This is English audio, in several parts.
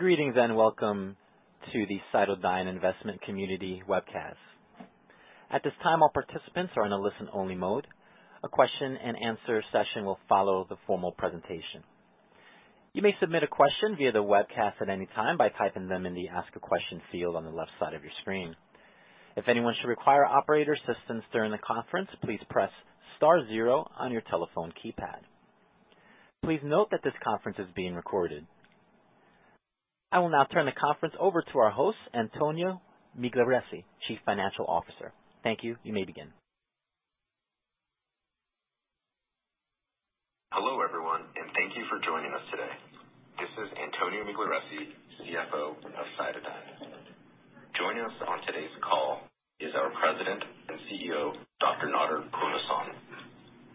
Greetings and welcome to the CytoDyn Investment Community Webcast. At this time, all participants are in a listen-only mode. A question and answer session will follow the formal presentation. You may submit a question via the webcast at any time by typing them in the Ask a Question field on the left side of your screen. If anyone should require operator assistance during the conference, please press star zero on your telephone keypad. Please note that this conference is being recorded. I will now turn the conference over to our host, Antonio Migliarese, Chief Financial Officer. Thank you. You may begin. Hello, everyone, and thank you for joining us today. This is Antonio Migliarese, CFO of CytoDyn. Joining us on today's call is our President and CEO, Dr. Nader Pourhassan,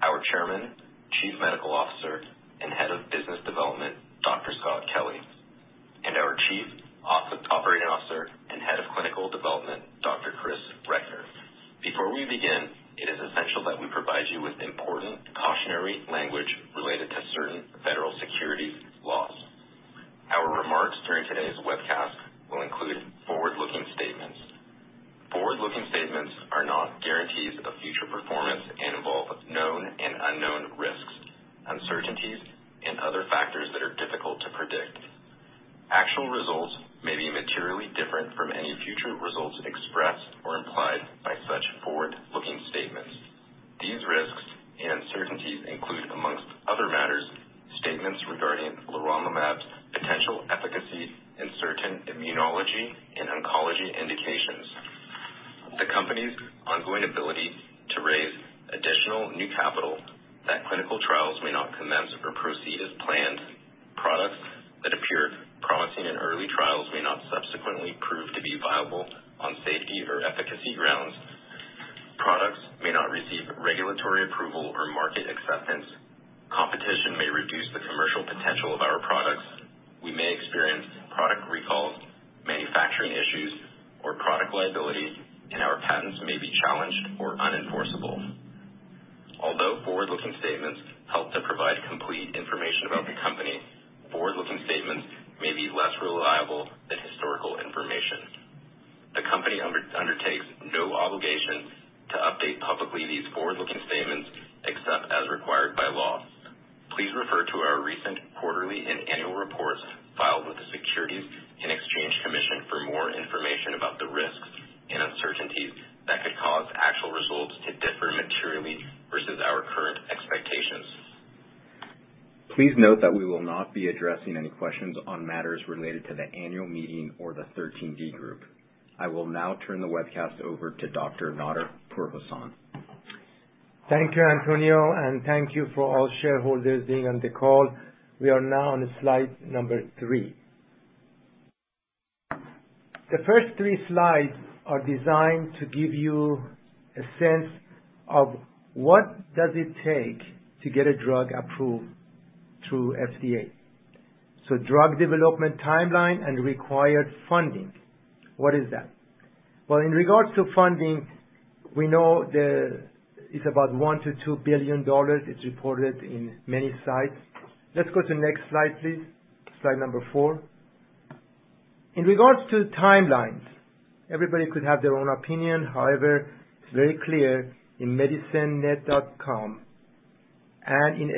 our Chairman, Chief Medical Officer, and Head of Business Development, Dr. Scott Kelly, and our Chief Operating Officer and Head of Clinical Development, Dr. Chris Recknor. Before we begin, it is essential that we provide you with important cautionary language related to certain federal securities laws. Our remarks during today's webcast will include forward-looking statements. Forward-looking statements are not guarantees of future performance and involve known and unknown risks, uncertainties, and other factors that are difficult to predict. Actual results may be materially different from any future results expressed or implied by such forward-looking statements. These risks and uncertainties include, among other matters, statements regarding leronlimab's potential efficacy in certain immunology and oncology indications, the company's ongoing ability to raise additional new capital, that clinical trials may not commence or proceed as planned, products that appeared promising in early trials may not subsequently prove to be viable on safety or efficacy grounds, products may not receive regulatory approval or market acceptance, competition may reduce the commercial potential of our products, we may experience product recalls, manufacturing issues, or product liability, and our patents may be challenged or unenforceable. Although forward-looking statements help to provide complete information about the company, forward-looking statements may be less reliable than historical information. The company undertakes no obligation to update publicly these forward-looking statements, except as required by law. Please refer to our recent quarterly and annual reports filed with the Securities and Exchange Commission for more information about the risks and uncertainties that could cause actual results to differ materially versus our current expectations. Please note that we will not be addressing any questions on matters related to the annual meeting or the 13D group. I will now turn the webcast over to Dr. Nader Pourhassan. Thank you, Antonio Migliarese, and thank you for all shareholders being on the call. We are now on slide number three. The first three slides are designed to give you a sense of what does it take to get a drug approved through FDA. Drug development timeline and required funding. What is that? Well, in regards to funding, we know that it's about $1 billion-$2 billion. It's reported in many sites. Let's go to the next slide, please. Slide number four. In regards to timelines, everybody could have their own opinion. However, it's very clear in medicinenet.com and in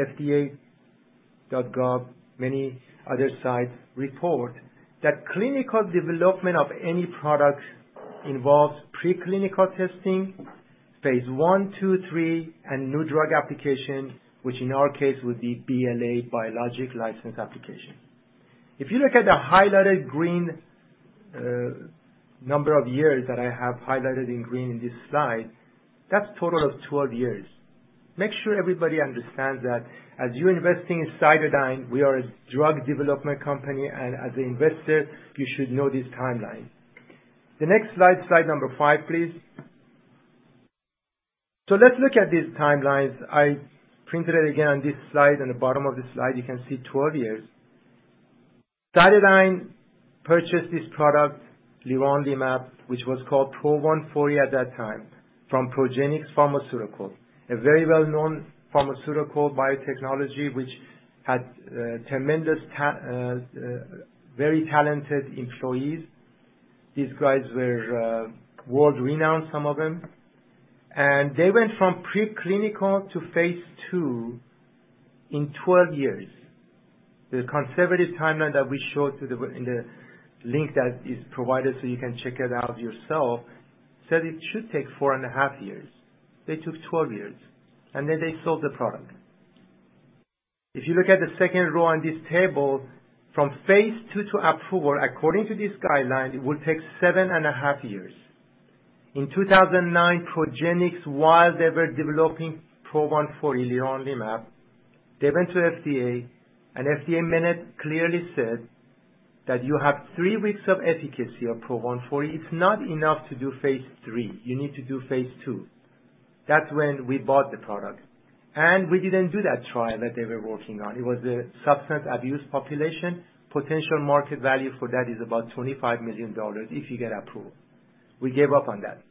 fda.gov, many other sites report that clinical development of any product involves preclinical testing, Phase I, II, III, and new drug application, which in our case would be BLA, Biologics License Application. If you look at the highlighted green number of years that I have highlighted in green in this slide, that's total of 12 years. Make sure everybody understands that as you're investing in CytoDyn, we are a drug development company, and as an investor, you should know this timeline. The next slide number five, please. Let's look at these timelines. I printed it again on this slide. On the bottom of this slide, you can see 12 years. CytoDyn purchased this product, leronlimab, which was called PRO 140 at that time, from Progenics Pharmaceuticals, a very well-known pharmaceutical biotechnology, which had very talented employees. These guys were world-renowned, some of them. They went from preclinical to Phase II in 12 years. The conservative timeline that we showed in the link that is provided so you can check it out yourself, said it should take four and half years. They took 12 years, and then they sold the product. If you look at the second row on this table, from Phase II to approval, according to these guidelines, it would take seven and half years. In 2009, Progenics, while they were developing PRO 140 leronlimab, they went to FDA, and FDA minute clearly said that you have three weeks of efficacy of PRO 140. It's not enough to do Phase III. You need to do Phase II. That's when we bought the product. We didn't do that trial that they were working on. It was a substance abuse population. Potential market value for that is about $25 million if you get approval. We gave up on that.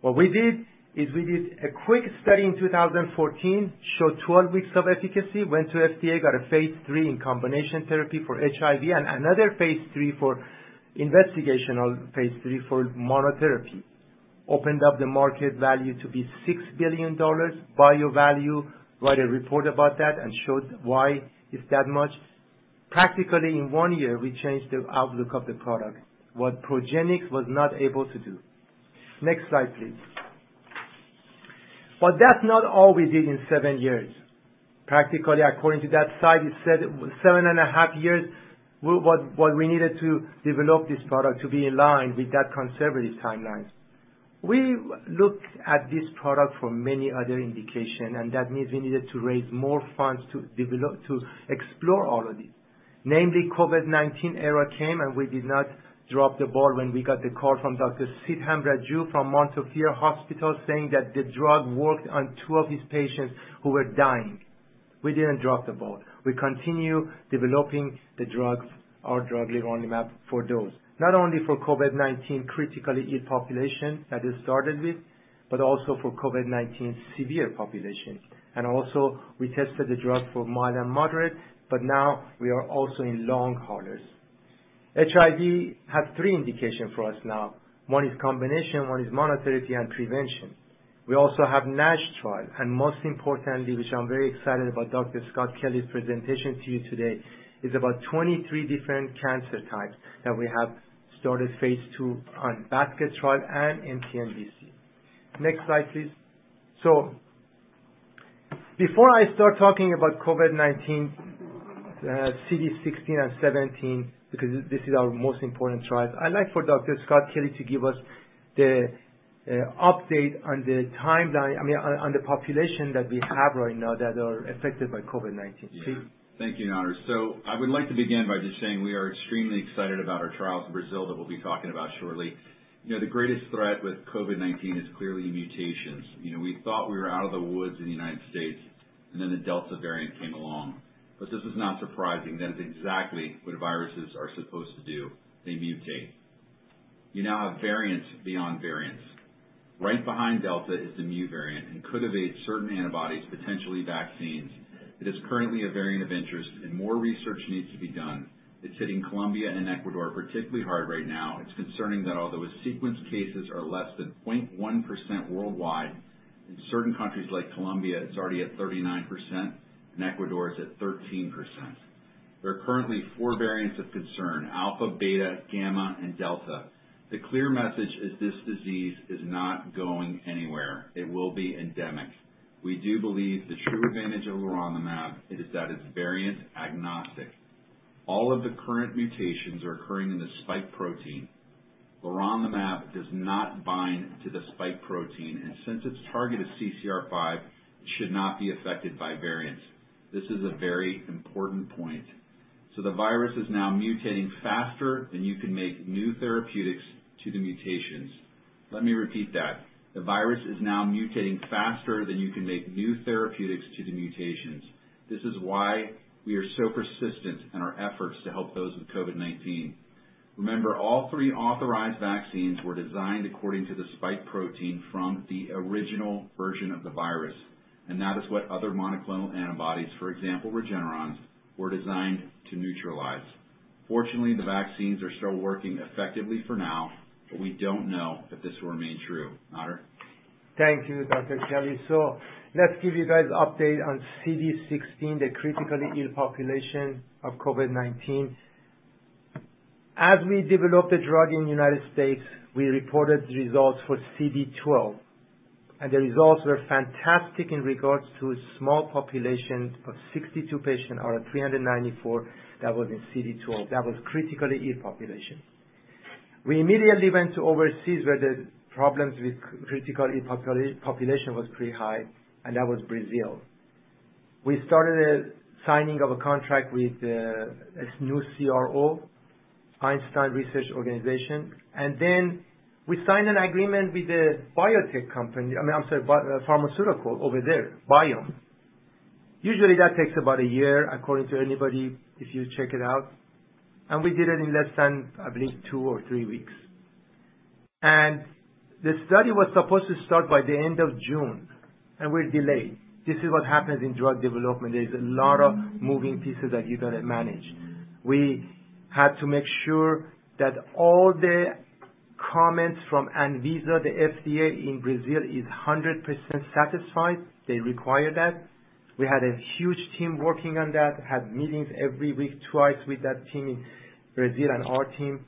What we did is we did a quick study in 2014, showed 12 weeks of efficacy, went to FDA, got a Phase III in combination therapy for HIV and another investigational Phase III for monotherapy. Opened up the market value to be $6 billion. BioValue wrote a report about that and showed why it's that much. Practically in one year, we changed the outlook of the product, what Progenics was not able to do. Next slide, please. That's not all we did in seven years. Practically, according to that slide, it said seven and half years, what we needed to develop this product to be aligned with that conservative timelines. We looked at this product for many other indications. That means we needed to raise more funds to explore all of this. Namely, COVID-19 era came, we did not drop the ball when we got the call from Dr. Siddharth Raju from Mount Sinai Hospital saying that the drug worked on two of his patients who were dying. We didn't drop the ball. We continue developing our drug, leronlimab, for those. Not only for COVID-19 critically ill population that it started with, but also for COVID-19 severe populations. Also we tested the drug for mild and moderate, but now we are also in long haulers. HIV has three indication for us now. One is combination, one is monotherapy, and prevention. We also have NASH trial, most importantly, which I'm very excited about Dr. Scott Kelly's presentation to you today, is about 23 different cancer types that we have started Phase II on basket trial and mTNBC. Next slide, please. Before I start talking about COVID-19, CD16 and 17, because this is our most important trial, I'd like for Dr. Scott Kelly to give us the update on the population that we have right now that are affected by COVID-19. Please. Thank you, Nader. I would like to begin by just saying we are extremely excited about our trials in Brazil that we'll be talking about shortly. The greatest threat with COVID-19 is clearly mutations. We thought we were out of the woods in the U.S., and then the Delta variant came along. This was not surprising. That is exactly what viruses are supposed to do. They mutate. You now have variants beyond variants. Right behind Delta is the Mu variant and could evade certain antibodies, potentially vaccines. It is currently a variant of interest, and more research needs to be done. It's hitting Colombia and Ecuador particularly hard right now. It's concerning that although its sequenced cases are less than 0.1% worldwide, in certain countries like Colombia, it's already at 39%, and Ecuador is at 13%. There are currently four variants of concern: Alpha, Beta, Gamma, and Delta. The clear message is this disease is not going anywhere. It will be endemic. We do believe the true advantage of leronlimab is that it's variant agnostic. All of the current mutations are occurring in the spike protein. Leronlimab does not bind to the spike protein, and since its target is CCR5, it should not be affected by variants. This is a very important point. The virus is now mutating faster than you can make new therapeutics to the mutations. Let me repeat that. The virus is now mutating faster than you can make new therapeutics to the mutations. This is why we are so persistent in our efforts to help those with COVID-19. Remember, all three authorized vaccines were designed according to the spike protein from the original version of the virus, and that is what other monoclonal antibodies, for example, Regeneron's, were designed to neutralize. Fortunately, the vaccines are still working effectively for now, but we don't know if this will remain true. Nader? Thank you, Dr. Kelly. Let's give you guys update on CD16, the critically ill population of COVID-19. As we developed the drug in the United States, we reported results for CD12, and the results were fantastic in regards to a small population of 62 patients out of 394 that was in CD12. That was critically ill population. We immediately went to overseas, where the problems with critically ill population was pretty high, and that was Brazil. We started a signing of a contract with this new CRO, Einstein Research Organization, and then we signed an agreement with a pharmaceutical over there, Biomm. Usually, that takes about one year, according to anybody, if you check it out, and we did it in less than, I believe, two or three weeks. The study was supposed to start by the end of June, and we're delayed. This is what happens in drug development. There's a lot of moving pieces that you got to manage. We had to make sure that all the comments from Anvisa, the FDA in Brazil, is 100% satisfied. They require that. We had a huge team working on that, had meetings every week, twice with that team in Brazil and our team.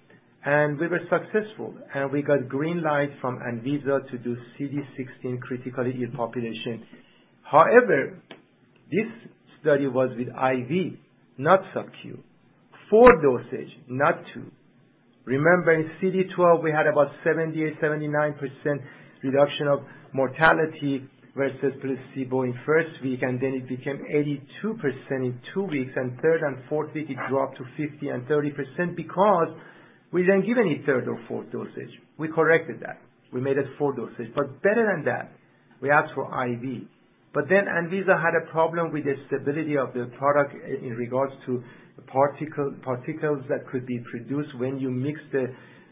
We were successful. We got green light from Anvisa to do CD16 critically ill population. However, this study was with IV, not subQ. Four dosage, not two. Remember, in CD12, we had about 78, 79% reduction of mortality versus placebo in first week, and then it became 82% in two weeks, and third and fourth week, it dropped to 50% and 30% because we didn't give any third or fourth dosage. We corrected that. We made it four dosage. Better than that, we asked for IV. ANVISA had a problem with the stability of the product in regards to the particles that could be produced when you mix the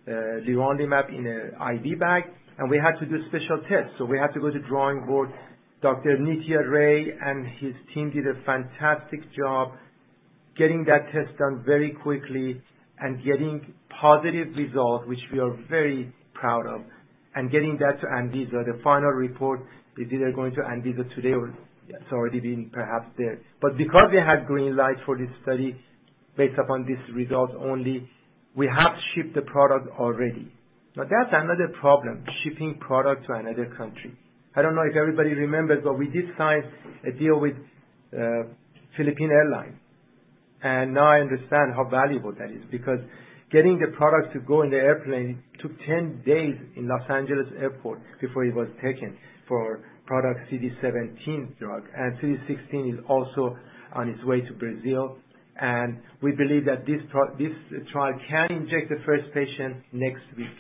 leronlimab in an IV bag, and we had to do special tests. We had to go to the drawing board. Dr. Nitya Ray and his team did a fantastic job getting that test done very quickly and getting positive results, which we are very proud of, and getting that to ANVISA. The final report is either going to ANVISA today or it's already been perhaps there. Because we had green light for this study based upon these results only, we have shipped the product already. That's another problem, shipping product to another country. I don't know if everybody remembers, but we did sign a deal with Philippine Airlines, and now I understand how valuable that is, because getting the product to go in the airplane took 10 days in Los Angeles Airport before it was taken for product CD17 drug. CD16 is also on its way to Brazil, and we believe that this trial can inject the first patient next week.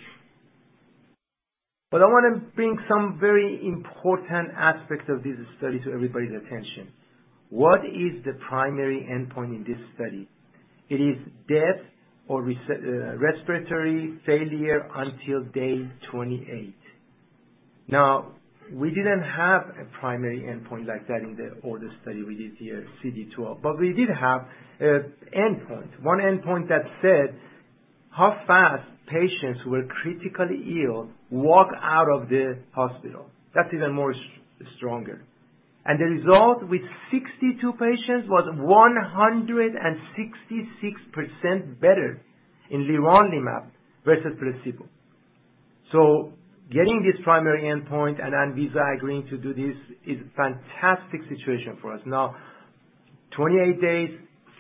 I want to bring some very important aspects of this study to everybody's attention. What is the primary endpoint in this study? It is death or respiratory failure until day 28. Now, we didn't have a primary endpoint like that in the older study we did here, CD12. We did have an endpoint, one endpoint that said how fast patients who were critically ill walk out of the hospital. That's even more stronger. The result with 62 patients was 166% better in leronlimab versus placebo. Getting this primary endpoint and Anvisa agreeing to do this is a fantastic situation for us. Now, 28 days,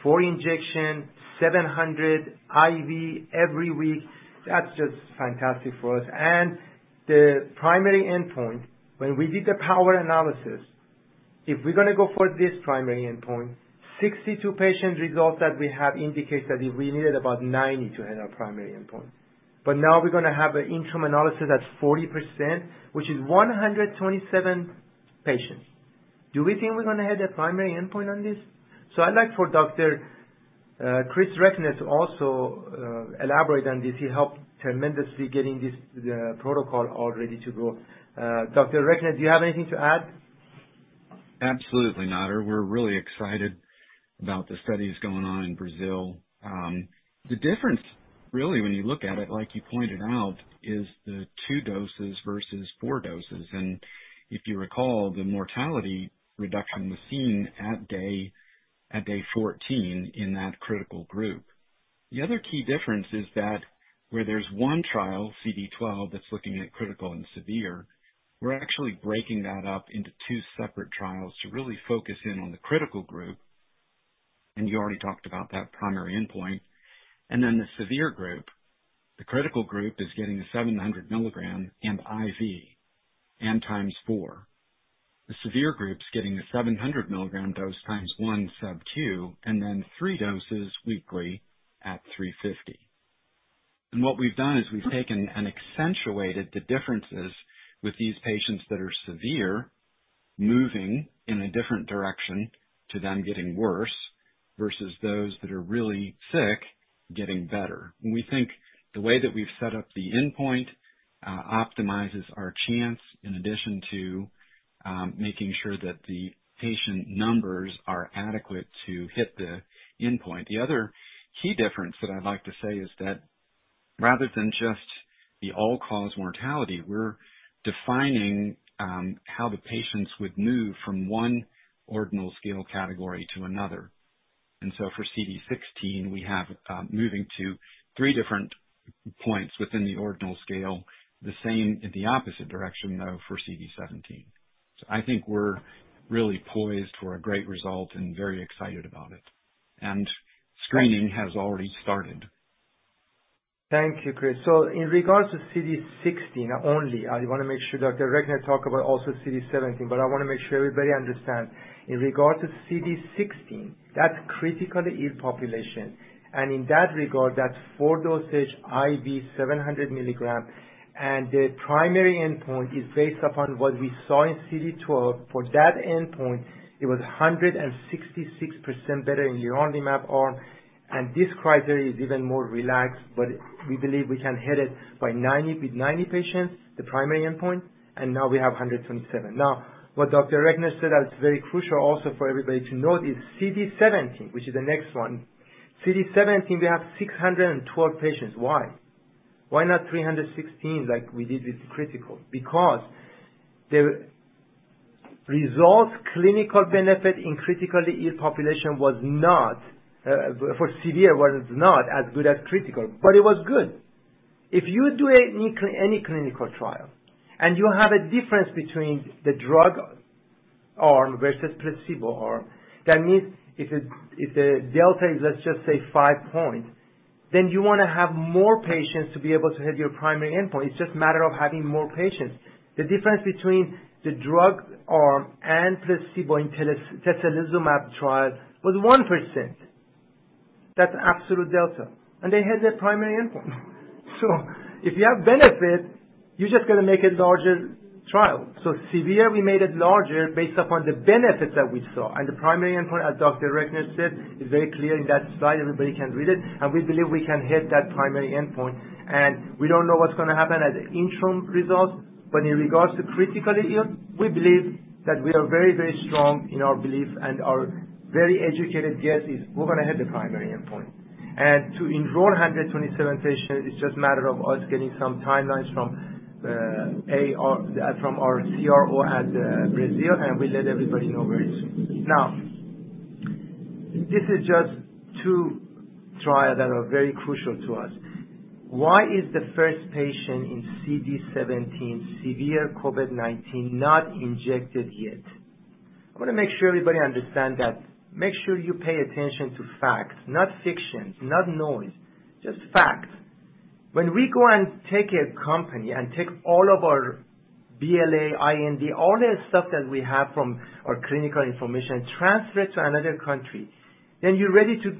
four injections, 700 IV every week, that's just fantastic for us. The primary endpoint, when we did the power analysis, if we're going to go for this primary endpoint, 62 patient results that we have indicate that we needed about 90 to hit our primary endpoint. Now we're going to have an interim analysis at 40%, which is 127 patients. Do we think we're going to hit a primary endpoint on this? I'd like for Dr. Chris Recknor to also elaborate on this. He helped tremendously getting this protocol all ready to go. Dr. Recknor, do you have anything to add? Absolutely, Nader. We're really excited about the studies going on in Brazil. The difference really, when you look at it, like you pointed out, is the two doses versus four doses. If you recall, the mortality reduction was seen at day 14 in that critical group. The other key difference is that where there's one trial, CD12, that's looking at critical and severe, we're actually breaking that up into two separate trials to really focus in on the critical group, and you already talked about that primary endpoint, and then the severe group. The critical group is getting the 700 mg and IV and x4. The severe group's getting the 700 mg dose x1 subQ, and then three doses weekly at 350. What we've done is we've taken and accentuated the differences with these patients that are severe, moving in a different direction to them getting worse, versus those that are really sick, getting better. We think the way that we've set up the endpoint optimizes our chance, in addition to making sure that the patient numbers are adequate to hit the endpoint. The other key difference that I'd like to say is that rather than just the all-cause mortality, we're defining how the patients would move from one ordinal scale category to another. For CD16, we have moving to three different points within the ordinal scale, the same in the opposite direction, though, for CD17. I think we're really poised for a great result and very excited about it, and screening has already started. Thank you, Chris. In regards to CD16 only, I want to make sure Dr. Recknor talked about also CD17, but I want to make sure everybody understands. In regards to CD16, that's critically ill population. In that regard, that's four dosage IV, 700 mg. The primary endpoint is based upon what we saw in CD12. For that endpoint, it was 166% better in leronlimab arm. This criteria is even more relaxed, but we believe we can hit it with 90 patients, the primary endpoint. Now we have 127. What Dr. Recknor said that's very crucial also for everybody to note is CD17, which is the next one. CD17, we have 612 patients. Why? Why not 316 like we did with critical? Because the results clinical benefit in critically ill population for severe, was not as good as critical, but it was good. If you do any clinical trial and you have a difference between the drug arm versus placebo arm, that means if the delta is, let's just say five points, then you want to have more patients to be able to hit your primary endpoint. It's just a matter of having more patients. The difference between the drug arm and placebo in tezepelumab trial was 1%. That's absolute delta, and they hit their primary endpoint. If you have benefit, you're just going to make a larger trial. Severe, we made it larger based upon the benefits that we saw. The primary endpoint, as Dr. Recknor said, is very clear in that slide, everybody can read it, and we believe we can hit that primary endpoint. We don't know what's going to happen as interim results, but in regards to critically ill, we believe that we are very, very strong in our belief, and our very educated guess is we're going to hit the primary endpoint. To enroll 127 patients is just a matter of us getting some timelines from our CRO at Brazil, and we'll let everybody know very soon. Now, this is just two trials that are very crucial to us. Why is the first patient in CD17 severe COVID-19 not injected yet? I want to make sure everybody understands that. Make sure you pay attention to facts, not fictions, not noise, just facts. When we go and take a company and take all of our BLA, IND, all that stuff that we have from our clinical information, transfer it to another country, then you're ready to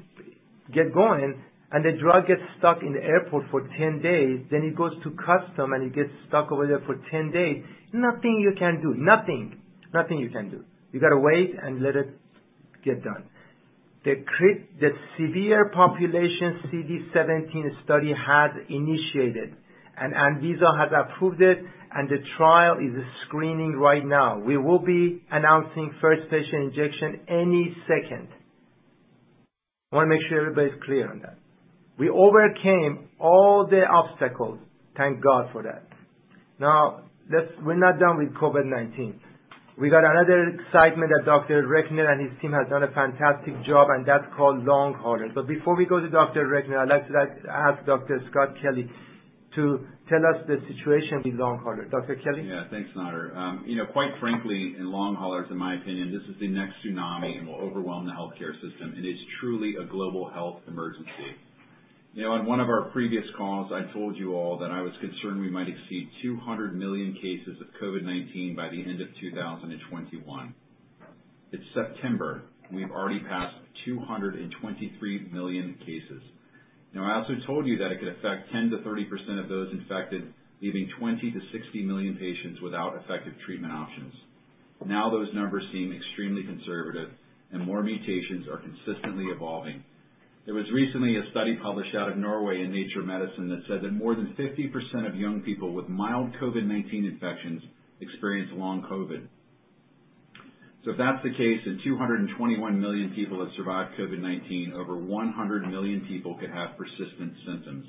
get going and the drug gets stuck in the airport for 10 days, then it goes to customs and it gets stuck over there for 10 days. Nothing you can do. Nothing. Nothing you can do. You got to wait and let it get done. The severe population CD17 study has initiated, and Anvisa has approved it, and the trial is screening right now. We will be announcing first patient injection any second. I want to make sure everybody's clear on that. We overcame all the obstacles. Thank God for that. We're not done with COVID-19. We got another excitement that Dr. Recknor and his team has done a fantastic job, and that's called long haulers. Before we go to Dr. Recknor, I'd like to ask Dr. Scott Kelly to tell us the situation with long haulers. Dr. Kelly? Yeah. Thanks, Nader. Quite frankly, in long haulers, in my opinion, this is the next tsunami and will overwhelm the healthcare system, and it is truly a global health emergency. On one of our previous calls, I told you all that I was concerned we might exceed 200 million cases of COVID-19 by the end of 2021. It's September. We've already passed 223 million cases. I also told you that it could affect 10%-30% of those infected, leaving 20 million-60 million patients without effective treatment options. Those numbers seem extremely conservative, and more mutations are consistently evolving. There was recently a study published out of Norway in Nature Medicine that said that more than 50% of young people with mild COVID-19 infections experienced long COVID. If that's the case, then 221 million people that survived COVID-19, over 100 million people could have persistent symptoms.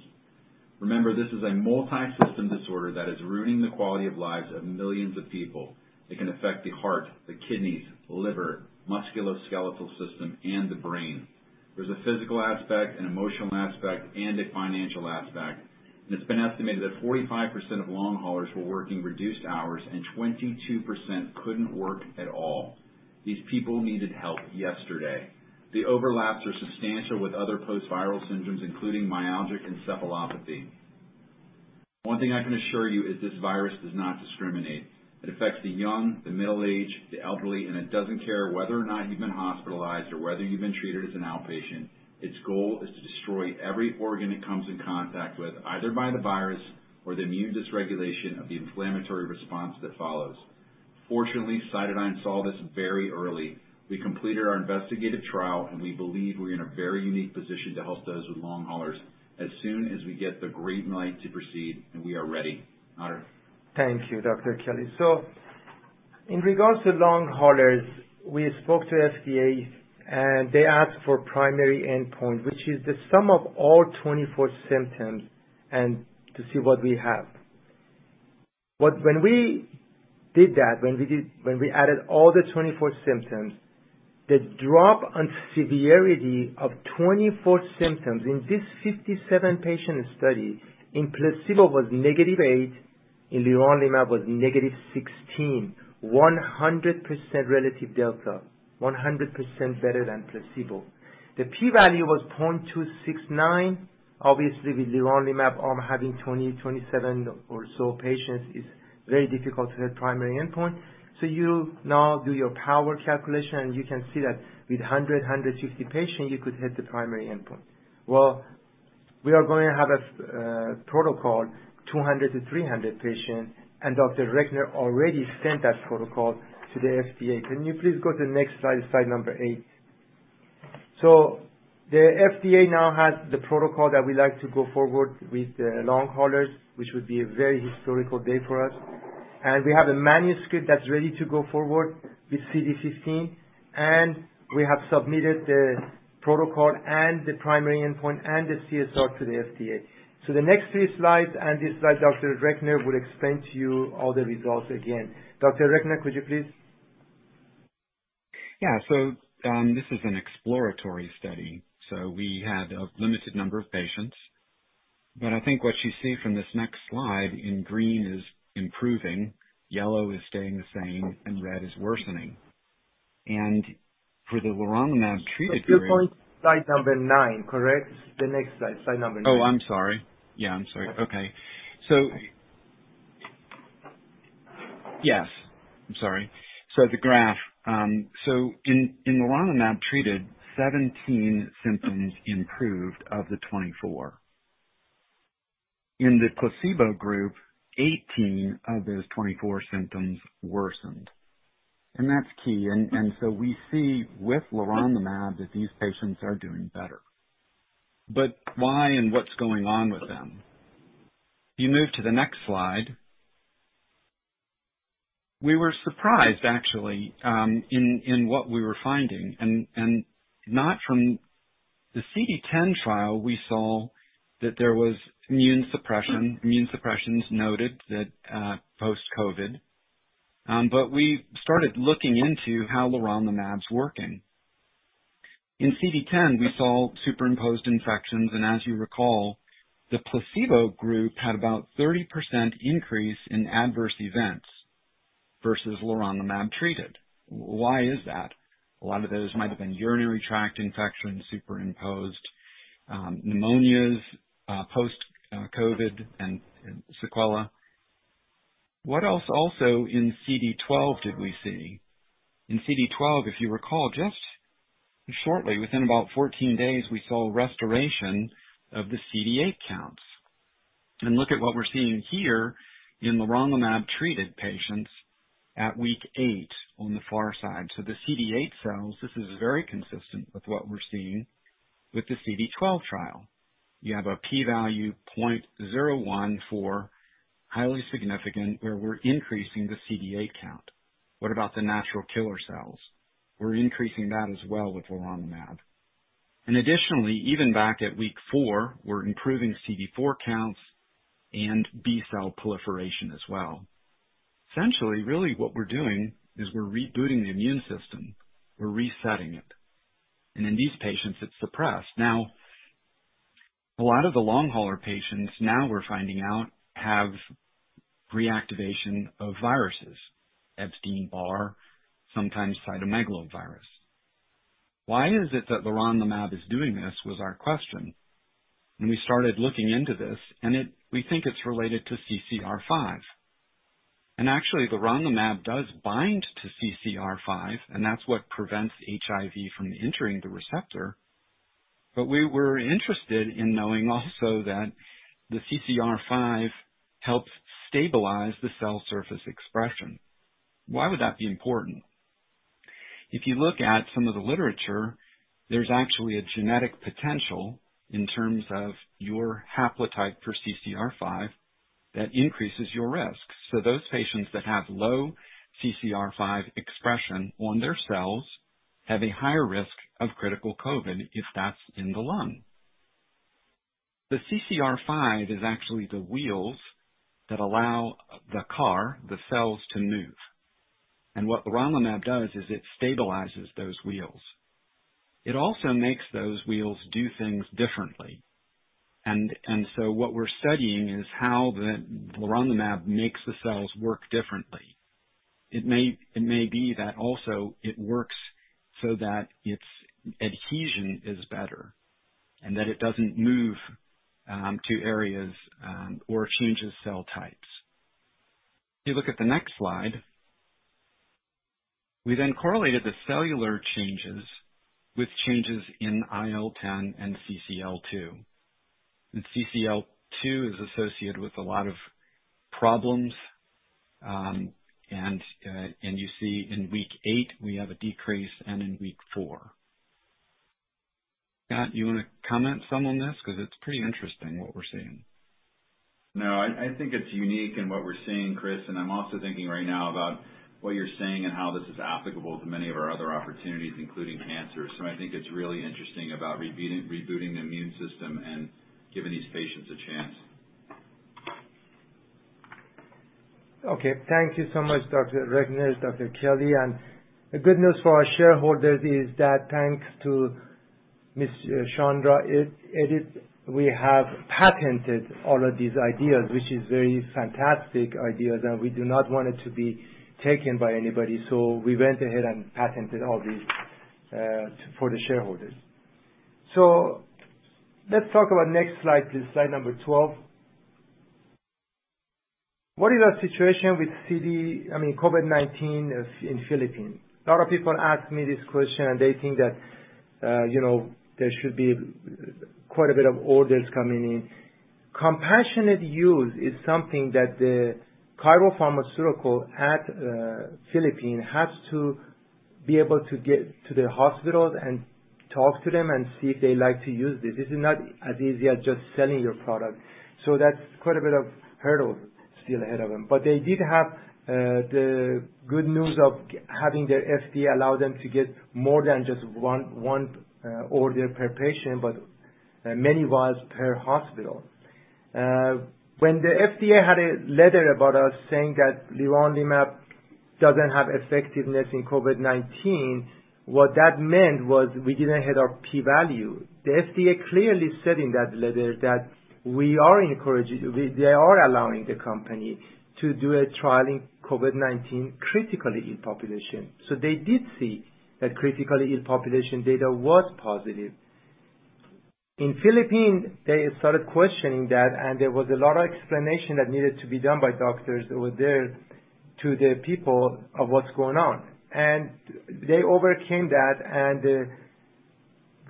Remember, this is a multi-system disorder that is ruining the quality of lives of millions of people. It can affect the heart, the kidneys, liver, musculoskeletal system, and the brain. There's a physical aspect, an emotional aspect, and a financial aspect, and it's been estimated that 45% of long haulers were working reduced hours, and 22% couldn't work at all. These people needed help yesterday. The overlaps are substantial with other post-viral symptoms, including myalgic encephalopathy. One thing I can assure you is this virus does not discriminate. It affects the young, the middle-aged, the elderly, and it doesn't care whether or not you've been hospitalized or whether you've been treated as an outpatient. Its goal is to destroy every organ it comes in contact with, either by the virus or the immune dysregulation of the inflammatory response that follows. Fortunately, CytoDyn saw this very early. We completed our investigative trial, and we believe we're in a very unique position to help those with long haulers as soon as we get the green light to proceed, and we are ready. Nader? Thank you, Dr. Kelly. In regards to long haulers, we spoke to FDA, and they asked for primary endpoint, which is the sum of all 24 symptoms, and to see what we have. When we did that, when we added all the 24 symptoms, the drop on severity of 24 symptoms in this 57-patient study in placebo was negative 8, in leronlimab was negative 16. 100% relative delta. 100% better than placebo. The P value was 0.269. Obviously, with leronlimab arm having 20, 27 or so patients, it's very difficult to hit primary endpoint. You now do your power calculation, and you can see that with 100, 150 patients, you could hit the primary endpoint. We are going to have a protocol, 200 to 300 patients, and Dr. Recknor already sent that protocol to the FDA. Can you please go to the next slide number eight? The FDA now has the protocol that we like to go forward with long haulers, which would be a very historical day for us. We have a manuscript that's ready to go forward with CD15, and we have submitted the protocol and the primary endpoint and the CSR to the FDA. The next three slides, and these slides Dr. Recknor will explain to you all the results again. Dr. Recknor, could you please? Yeah. This is an exploratory study, so we had a limited number of patients. I think what you see from this next slide in green is improving, yellow is staying the same, and red is worsening. For the leronlimab-treated group. Sorry, slide number nine, correct? The next slide number nine. I'm sorry. The graph. In leronlimab, 17 symptoms improved of the 24. In the placebo group, 18 of those 24 symptoms worsened. That's key. We see with leronlimab that these patients are doing better. Why, and what's going on with them? If you move to the next slide, we were surprised actually in what we were finding. Not from the CD10 trial, we saw that there was immune suppression. Immune suppressions noted that post-COVID. We started looking into how leronlimab is working. In CD10, we saw superimposed infections, and as you recall, the placebo group had about 30% increase in adverse events versus leronlimab-treated. Why is that? A lot of those might have been urinary tract infections, superimposed pneumonias, post-COVID and sequela. What else also in CD12 did we see? In CD12, if you recall, just shortly, within about 14 days, we saw restoration of the CD8 counts. Look at what we're seeing here in leronlimab-treated patients at week eight on the far side. The CD8 cells, this is very consistent with what we're seeing with the CD12 trial. You have a P value 0.01 for highly significant where we're increasing the CD8 count. What about the natural killer cells? We're increasing that as well with leronlimab. Additionally, even back at week four, we're improving CD4 counts and B-cell proliferation as well. Essentially, really what we're doing is we're rebooting the immune system. We're resetting it. In these patients, it's suppressed. Now, a lot of the long hauler patients now we're finding out have reactivation of viruses, Epstein-Barr, sometimes cytomegalovirus. Why is it that leronlimab is doing this was our question? We started looking into this, and we think it's related to CCR5. Actually, leronlimab does bind to CCR5, and that's what prevents HIV from entering the receptor. We were interested in knowing also that the CCR5 helps stabilize the cell surface expression. Why would that be important? If you look at some of the literature, there's actually a genetic potential in terms of your haplotype for CCR5 that increases your risk. Those patients that have low CCR5 expression on their cells have a higher risk of critical COVID if that's in the lung. The CCR5 is actually the wheels that allow the car, the cells, to move. What leronlimab does is it stabilizes those wheels. It also makes those wheels do things differently. What we're studying is how the leronlimab makes the cells work differently. It may be that also it works so that its adhesion is better and that it doesn't move to areas or changes cell types. If you look at the next slide, we correlated the cellular changes with changes in IL-10 and CCL2. CCL2 is associated with a lot of problems, and you see in week eight we have a decrease and in week four. Scott, you want to comment some on this? It's pretty interesting what we're seeing. I think it's unique in what we're seeing, Chris, and I'm also thinking right now about what you're saying and how this is applicable to many of our other opportunities, including cancer. I think it's really interesting about rebooting the immune system and giving these patients a chance. Okay. Thank you so much, Dr. Recknor, Dr. Scott Kelly. The good news for our shareholders is that thanks to Miss Chandra Eidt, we have patented all of these ideas, which is very fantastic ideas, and we do not want it to be taken by anybody. We went ahead and patented all these for the shareholders. Let's talk about next slide, please. Slide number 12. What is our situation with COVID-19 in Philippines? A lot of people ask me this question, and they think that there should be quite a bit of orders coming in. Compassionate use is something that the Chiral Pharma Corporation at Philippines has to be able to get to their hospitals and talk to them and see if they like to use this. This is not as easy as just selling your product. That's quite a bit of hurdle still ahead of them. They did have the good news of having their FDA allow them to get more than just one order per patient, but many vials per hospital. When the FDA had a letter about us saying that leronlimab doesn't have effectiveness in COVID-19, what that meant was we didn't hit our P value. The FDA clearly said in that letter that they are allowing the company to do a trial in COVID-19 critically ill population. They did see that critically ill population data was positive. In Philippines, they started questioning that, and there was a lot of explanation that needed to be done by doctors over there to their people of what's going on. They overcame that, and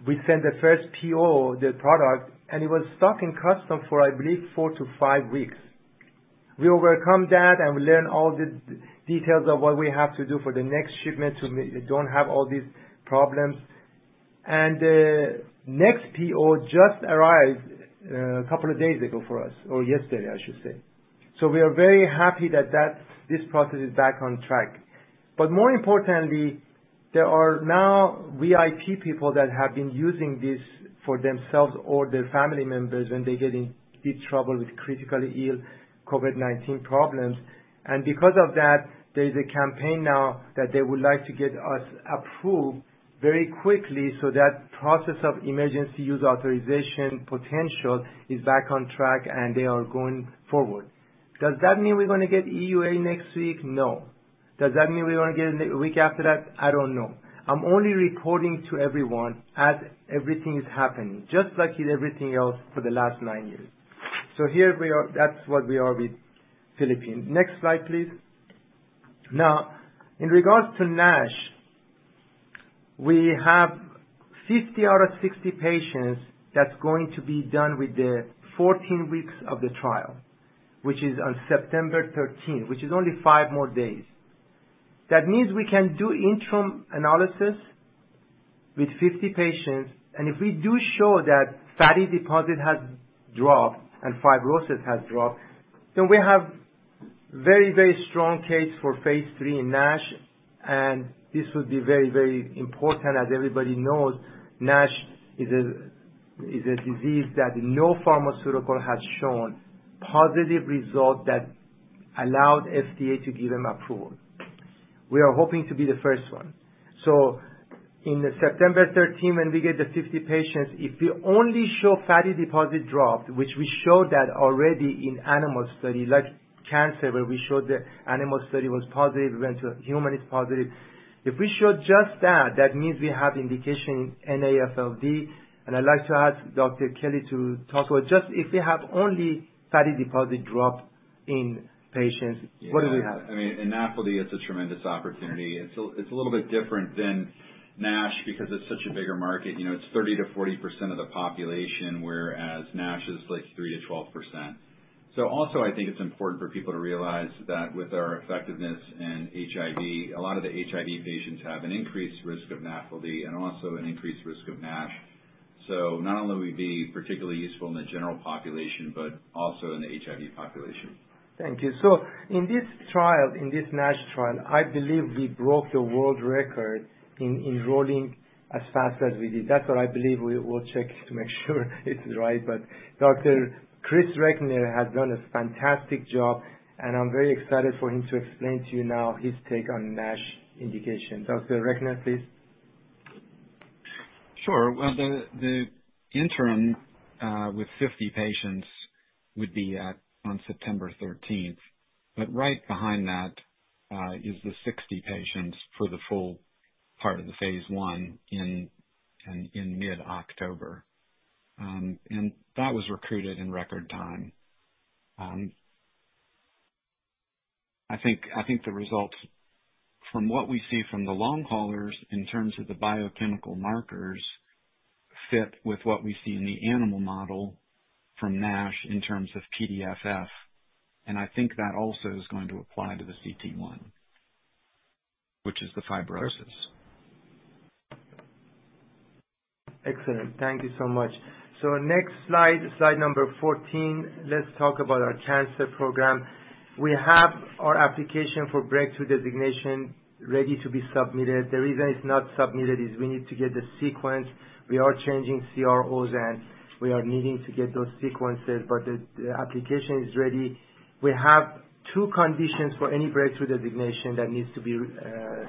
we sent the 1st PO, the product, and it was stuck in customs for, I believe, 4-5 weeks. We overcome that and learn all the details of what we have to do for the next shipment to don't have all these problems, and the next PO just arrived a couple of days ago for us, or yesterday, I should say. We are very happy that this process is back on track. More importantly, there are now VIP people that have been using this for themselves or their family members when they get in big trouble with critically ill COVID-19 problems. Because of that, there's a campaign now that they would like to get us approved very quickly so that process of Emergency Use Authorization potential is back on track, and they are going forward. Does that mean we're going to get EUA next week? No. Does that mean we are going to get it the week after that? I don't know. I'm only reporting to everyone as everything is happening, just like everything else for the last nine years. Here, that's what we are with Philippines. Next slide, please. Now, in regards to NASH, we have 50 out of 60 patients that's going to be done with the 14 weeks of the trial, which is on September 13, which is only five more days. That means we can do interim analysis with 50 patients, and if we do show that fatty deposit has dropped and fibrosis has dropped, then we have very strong case for Phase III in NASH, and this would be very important. As everybody knows, NASH is a disease that no pharmaceutical has shown positive result that allowed FDA to give them approval. We are hoping to be the first one. In the September 13, when we get the 50 patients, if we only show fatty deposit dropped, which we showed that already in animal study, like cancer, where we showed the animal study was positive, we went to human, it's positive. If we show just that means we have indication in NAFLD, and I'd like to ask Dr. Kelly to talk about just if we have only fatty deposit drop in patients, what do we have? I mean, in NAFLD, it's a tremendous opportunity. It's a little bit different than NASH because it's such a bigger market. It's 30%-40% of the population, whereas NASH is 3%-12%. Also, I think it's important for people to realize that with our effectiveness in HIV, a lot of the HIV patients have an increased risk of NAFLD and also an increased risk of NASH. Not only would we be particularly useful in the general population, but also in the HIV population. Thank you. In this trial, in this NASH trial, I believe we broke the world record in enrolling as fast as we did. That's what I believe. We'll check to make sure it's right. Dr. Chris Recknor has done a fantastic job, and I'm very excited for him to explain to you now his take on NASH indication. Dr. Recknor, please. Sure. Well, the interim with 50 patients would be on September 13th, but right behind that is the 60 patients for the full part of the Phase I in mid-October. That was recruited in record time. I think the results from what we see from the long haulers in terms of the biochemical markers fit with what we see in the animal model from NASH in terms of PDFF, I think that also is going to apply to the cT1, which is the fibrosis. Excellent. Thank you so much. Next slide number 14. Let's talk about our cancer program. We have our application for Breakthrough Designation ready to be submitted. The reason it's not submitted is we need to get the sequence. We are changing CROs, and we are needing to get those sequences, but the application is ready. We have two conditions for any Breakthrough Designation that needs to be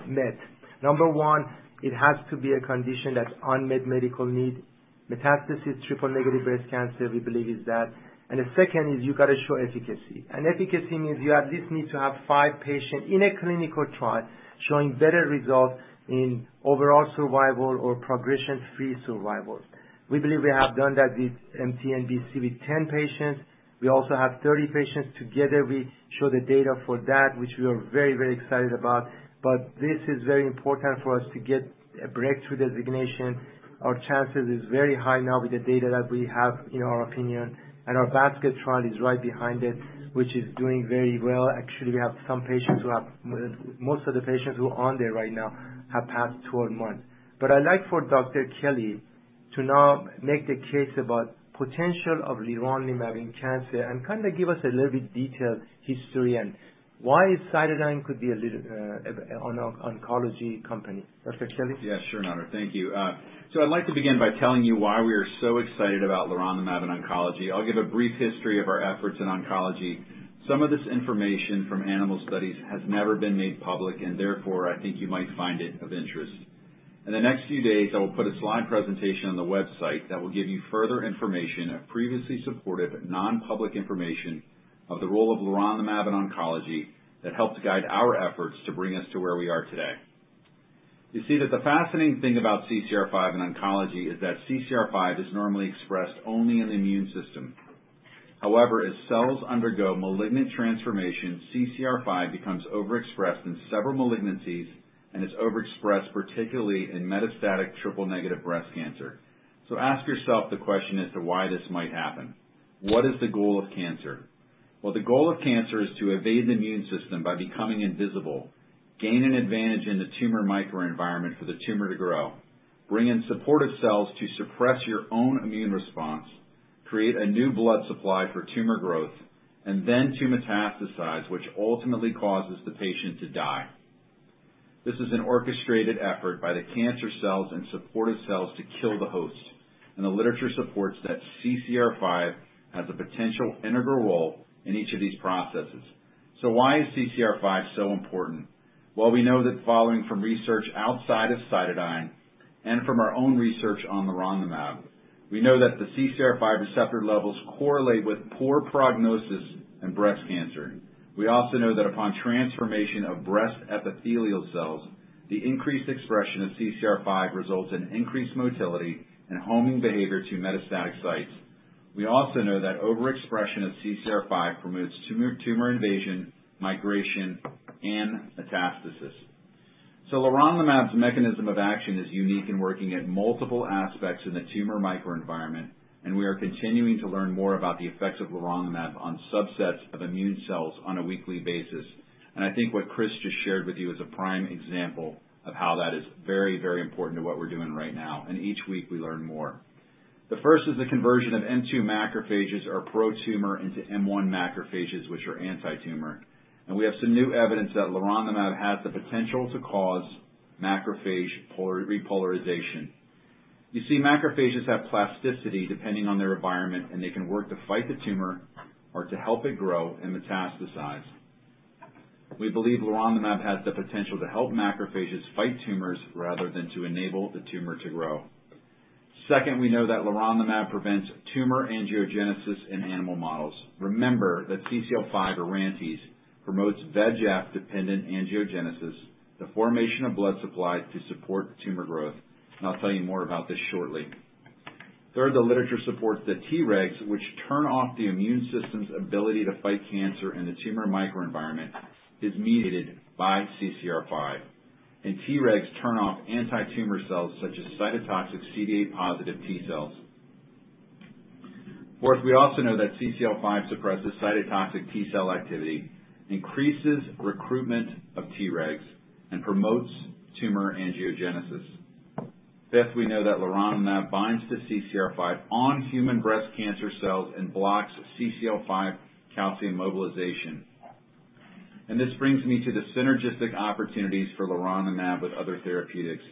met. Number one, it has to be a condition that's unmet medical need. Metastatic triple-negative breast cancer, we believe, is that. The second is you got to show efficacy. Efficacy means you at least need to have five patients in a clinical trial showing better results in overall survival or progression-free survival. We believe we have done that with mTNBC with 10 patients. We also have 30 patients together. We show the data for that, which we are very excited about. This is very important for us to get a Breakthrough Designation. Our chances is very high now with the data that we have, in our opinion. Our basket trial is right behind it, which is doing very well. Actually, most of the patients who are on there right now have passed 12 months. I'd like for Dr. Kelly to now make the case about potential of leronlimab in cancer and kind of give us a little bit detailed history and why CytoDyn could be an oncology company. Dr. Kelly? Yeah, sure. Thank you. I'd like to begin by telling you why we are so excited about leronlimab in oncology. I'll give a brief history of our efforts in oncology. Some of this information from animal studies has never been made public, and therefore, I think you might find it of interest. In the next few days, I will put a slide presentation on the website that will give you further information of previously supported non-public information of the role of leronlimab in oncology that helped guide our efforts to bring us to where we are today. You see that the fascinating thing about CCR5 in oncology is that CCR5 is normally expressed only in the immune system. However, as cells undergo malignant transformation, CCR5 becomes overexpressed in several malignancies and is overexpressed particularly in metastatic triple-negative breast cancer. Ask yourself the question as to why this might happen. What is the goal of cancer? Well, the goal of cancer is to evade the immune system by becoming invisible, gain an advantage in the tumor microenvironment for the tumor to grow, bring in supportive cells to suppress your own immune response, create a new blood supply for tumor growth, and then metastasize, which ultimately causes the patient to die. This is an orchestrated effort by the cancer cells and supportive cells to kill the host, and the literature supports that CCR5 has a potential integral role in each of these processes. Why is CCR5 so important? Well, we know that following from research outside of CytoDyn and from our own research on leronlimab, we know that the CCR5 receptor levels correlate with poor prognosis in breast cancer. We also know that upon transformation of breast epithelial cells, the increased expression of CCR5 results in increased motility and homing behavior to metastatic sites. We also know that overexpression of CCR5 promotes tumor invasion, migration, and metastasis. leronlimab's mechanism of action is unique in working at multiple aspects in the tumor microenvironment, and we are continuing to learn more about the effects of leronlimab on subsets of immune cells on a weekly basis. I think what Chris just shared with you is a prime example of how that is very, very important to what we're doing right now, and each week we learn more. The first is the conversion of M2 macrophages or pro-tumor into M1 macrophages, which are anti-tumor. We have some new evidence that leronlimab has the potential to cause macrophage repolarization. You see, macrophages have plasticity depending on their environment, and they can work to fight the tumor or to help it grow and metastasize. We believe leronlimab has the potential to help macrophages fight tumors rather than to enable the tumor to grow. Second, we know that leronlimab prevents tumor angiogenesis in animal models. Remember that CCL5 or RANTES promotes VEGF-dependent angiogenesis, the formation of blood supply to support tumor growth. I'll tell you more about this shortly. Third, the literature supports that Tregs, which turn off the immune system's ability to fight cancer in the tumor microenvironment, is mediated by CCR5, and Tregs turn off anti-tumor cells such as cytotoxic CD8 positive T cells. Fourth, we also know that CCL5 suppresses cytotoxic T cell activity, increases recruitment of Tregs, and promotes tumor angiogenesis. Fifth, we know that leronlimab binds to CCR5 on human breast cancer cells and blocks CCL5 calcium mobilization. This brings me to the synergistic opportunities for leronlimab with other therapeutics.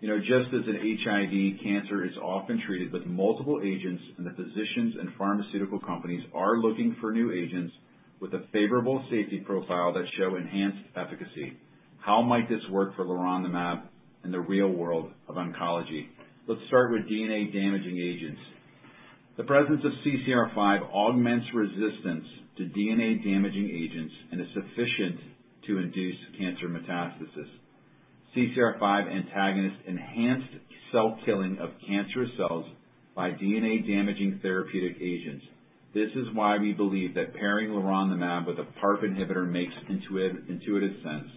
Just as an HIV cancer is often treated with multiple agents, and the physicians and pharmaceutical companies are looking for new agents with a favorable safety profile that show enhanced efficacy. How might this work for leronlimab in the real world of oncology? Let's start with DNA-damaging agents. The presence of CCR5 augments resistance to DNA-damaging agents and is sufficient to induce cancer metastasis. CCR5 antagonist enhanced cell killing of cancerous cells by DNA-damaging therapeutic agents. This is why we believe that pairing leronlimab with a PARP inhibitor makes intuitive sense.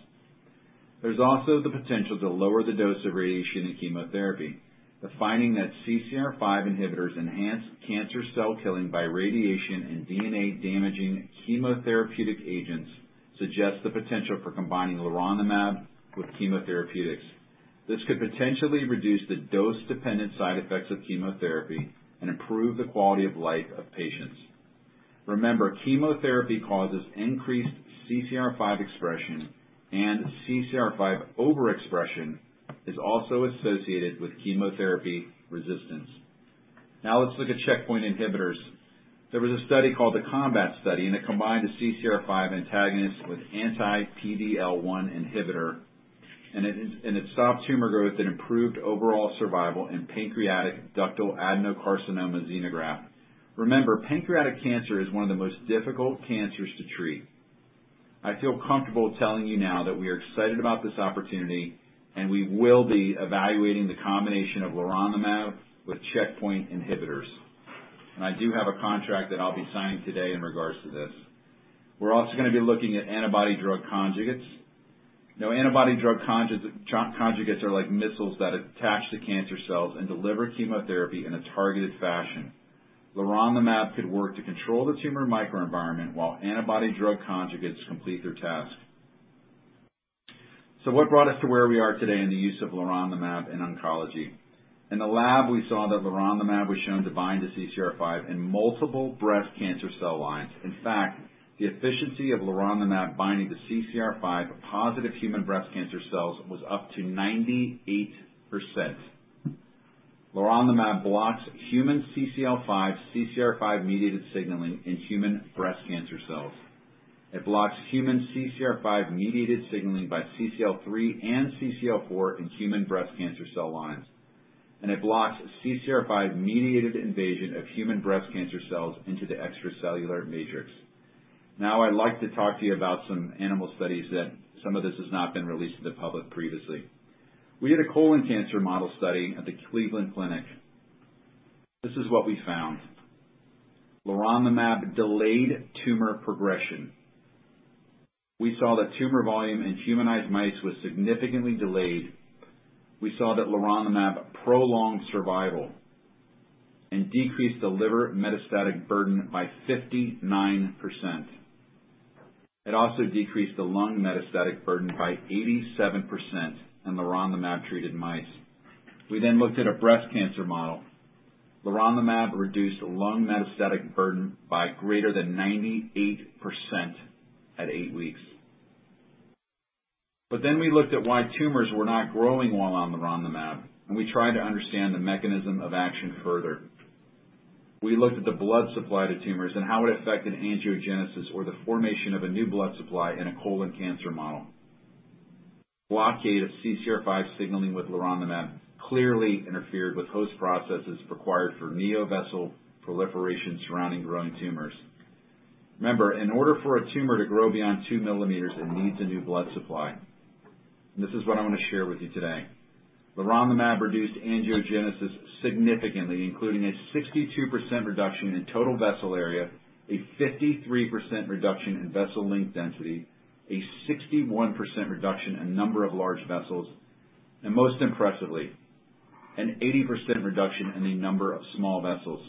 There's also the potential to lower the dose of radiation in chemotherapy. The finding that CCR5 inhibitors enhance cancer cell killing by radiation and DNA-damaging chemotherapeutic agents suggests the potential for combining leronlimab with chemotherapeutics. This could potentially reduce the dose-dependent side effects of chemotherapy and improve the quality of life of patients. Remember, chemotherapy causes increased CCR5 expression, and CCR5 overexpression is also associated with chemotherapy resistance. Let's look at checkpoint inhibitors. There was a study called the COMBAT study, and it combined a CCR5 antagonist with anti-PD-L1 inhibitor, and it stopped tumor growth and improved overall survival in pancreatic ductal adenocarcinoma xenograft. Remember, pancreatic cancer is one of the most difficult cancers to treat. I feel comfortable telling you now that we are excited about this opportunity, and we will be evaluating the combination of leronlimab with checkpoint inhibitors. I do have a contract that I'll be signing today in regards to this. We're also going to be looking at antibody-drug conjugates. Antibody-drug conjugates are like missiles that attach to cancer cells and deliver chemotherapy in a targeted fashion. leronlimab could work to control the tumor microenvironment while antibody-drug conjugates complete their task. What brought us to where we are today in the use of leronlimab in oncology? In the lab, we saw that leronlimab was shown to bind to CCR5 in multiple breast cancer cell lines. In fact, the efficiency of leronlimab binding to CCR5 of positive human breast cancer cells was up to 98%. leronlimab blocks human CCL5/CCR5-mediated signaling in human breast cancer cells. It blocks human CCR5-mediated signaling by CCL3 and CCL4 in human breast cancer cell lines. It blocks CCR5-mediated invasion of human breast cancer cells into the extracellular matrix. Now I'd like to talk to you about some animal studies that some of this has not been released to the public previously. We did a colon cancer model study at the Cleveland Clinic. This is what we found. leronlimab delayed tumor progression. We saw that tumor volume in humanized mice was significantly delayed. We saw that leronlimab prolonged survival and decreased the liver metastatic burden by 59%. It also decreased the lung metastatic burden by 87% in leronlimab-treated mice. We then looked at a breast cancer model. leronlimab reduced lung metastatic burden by greater than 98% at eight weeks. We looked at why tumors were not growing while on leronlimab, and we tried to understand the mechanism of action further. We looked at the blood supply to tumors and how it affected angiogenesis or the formation of a new blood supply in a colon cancer model. Blockade of CCR5 signaling with leronlimab clearly interfered with host processes required for neovessel proliferation surrounding growing tumors. Remember, in order for a tumor to grow beyond 2 mm, it needs a new blood supply. This is what I'm going to share with you today. Leronlimab reduced angiogenesis significantly, including a 62% reduction in total vessel area, a 53% reduction in vessel length density, a 61% reduction in number of large vessels, and most impressively, an 80% reduction in the number of small vessels.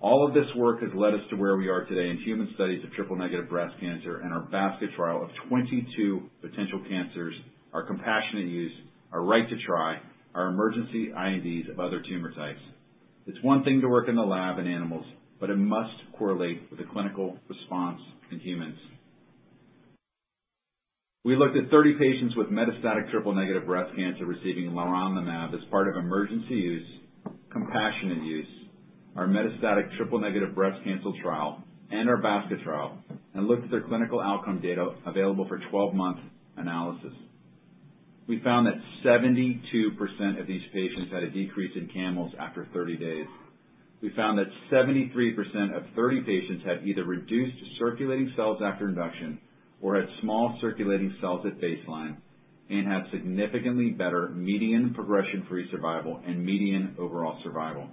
All of this work has led us to where we are today in human studies of triple-negative breast cancer and our basket trial of 22 potential cancers, our compassionate use, our right to try, our emergency INDs of other tumor types. It's one thing to work in the lab in animals, but it must correlate with the clinical response in humans. We looked at 30 patients with metastatic triple-negative breast cancer receiving leronlimab as part of emergency use, compassionate use, our metastatic triple-negative breast cancer trial, and our basket trial, and looked at their clinical outcome data available for 12-month analysis. We found that 72% of these patients had a decrease in CAMLs after 30 days. We found that 73% of 30 patients had either reduced circulating cells after induction or had small circulating cells at baseline and had significantly better median progression-free survival and median overall survival.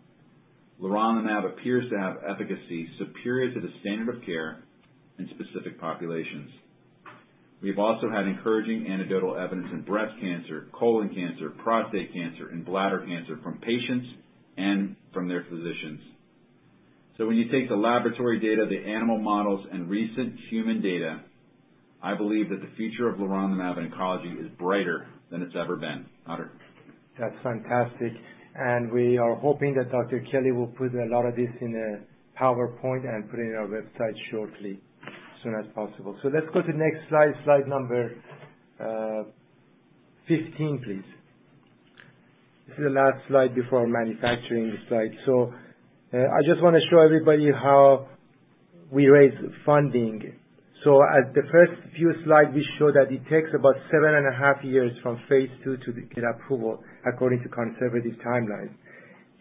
Leronlimab appears to have efficacy superior to the standard of care in specific populations. We've also had encouraging anecdotal evidence in breast cancer, colon cancer, prostate cancer, and bladder cancer from patients and from their physicians. When you take the laboratory data, the animal models, and recent human data, I believe that the future of leronlimab in oncology is brighter than it's ever been. Otto. That's fantastic. We are hoping that Dr. Kelly will put a lot of this in a PowerPoint and put it in our website shortly, as soon as possible. Let's go to the next slide number 15, please. This is the last slide before manufacturing slide. I just want to show everybody how we raise funding. At the first few slides, we show that it takes about seven and a half years from Phase II to get approval according to conservative timelines.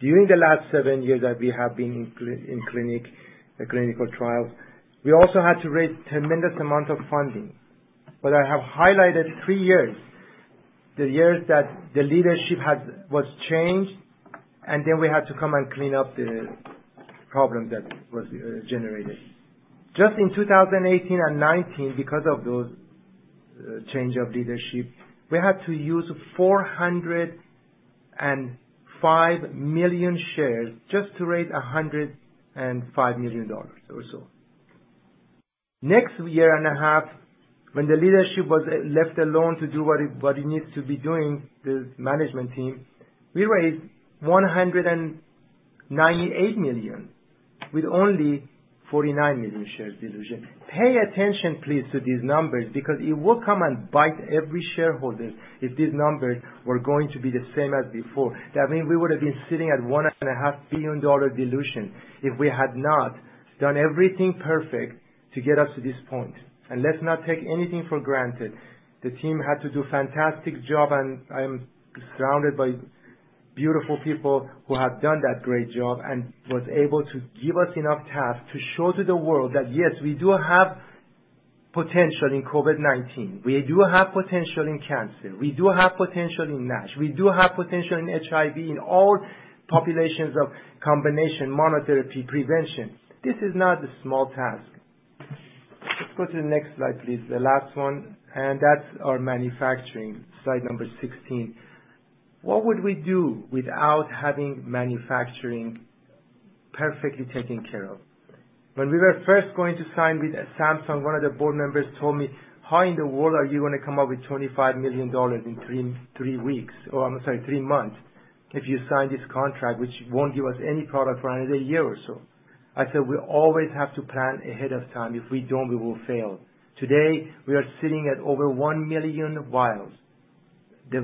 During the last seven years that we have been in clinical trials, we also had to raise tremendous amount of funding. I have highlighted three years, the years that the leadership was changed, and then we had to come and clean up the problem that was generated. Just in 2018 and 2019, because of those change of leadership, we had to use 405 million shares just to raise $105 million or so. Next year and a half, when the leadership was left alone to do what it needs to be doing, the management team, we raised $198 million with only 49 million shares dilution. Pay attention, please, to these numbers, because it will come and bite every shareholder if these numbers were going to be the same as before. That means we would've been sitting at $1.5 billion dilution if we had not done everything perfect to get us to this point. Let's not take anything for granted. The team had to do fantastic job, and I am surrounded by beautiful people who have done that great job and was able to give us enough tasks to show to the world that, yes, we do have potential in COVID-19. We do have potential in cancer. We do have potential in NASH. We do have potential in HIV, in all populations of combination monotherapy prevention. This is not a small task. Let's go to the next slide, please. The last one, and that's our manufacturing, slide number 16. What would we do without having manufacturing perfectly taken care of? When we were first going to sign with Samsung, one of the board members told me, "How in the world are you going to come up with $25 million in 3 weeks, or I'm sorry, 3 months if you sign this contract, which won't give us any product for another year or so?" I said, "We always have to plan ahead of time. If we don't, we will fail." Today, we are sitting at over 1 million vials. The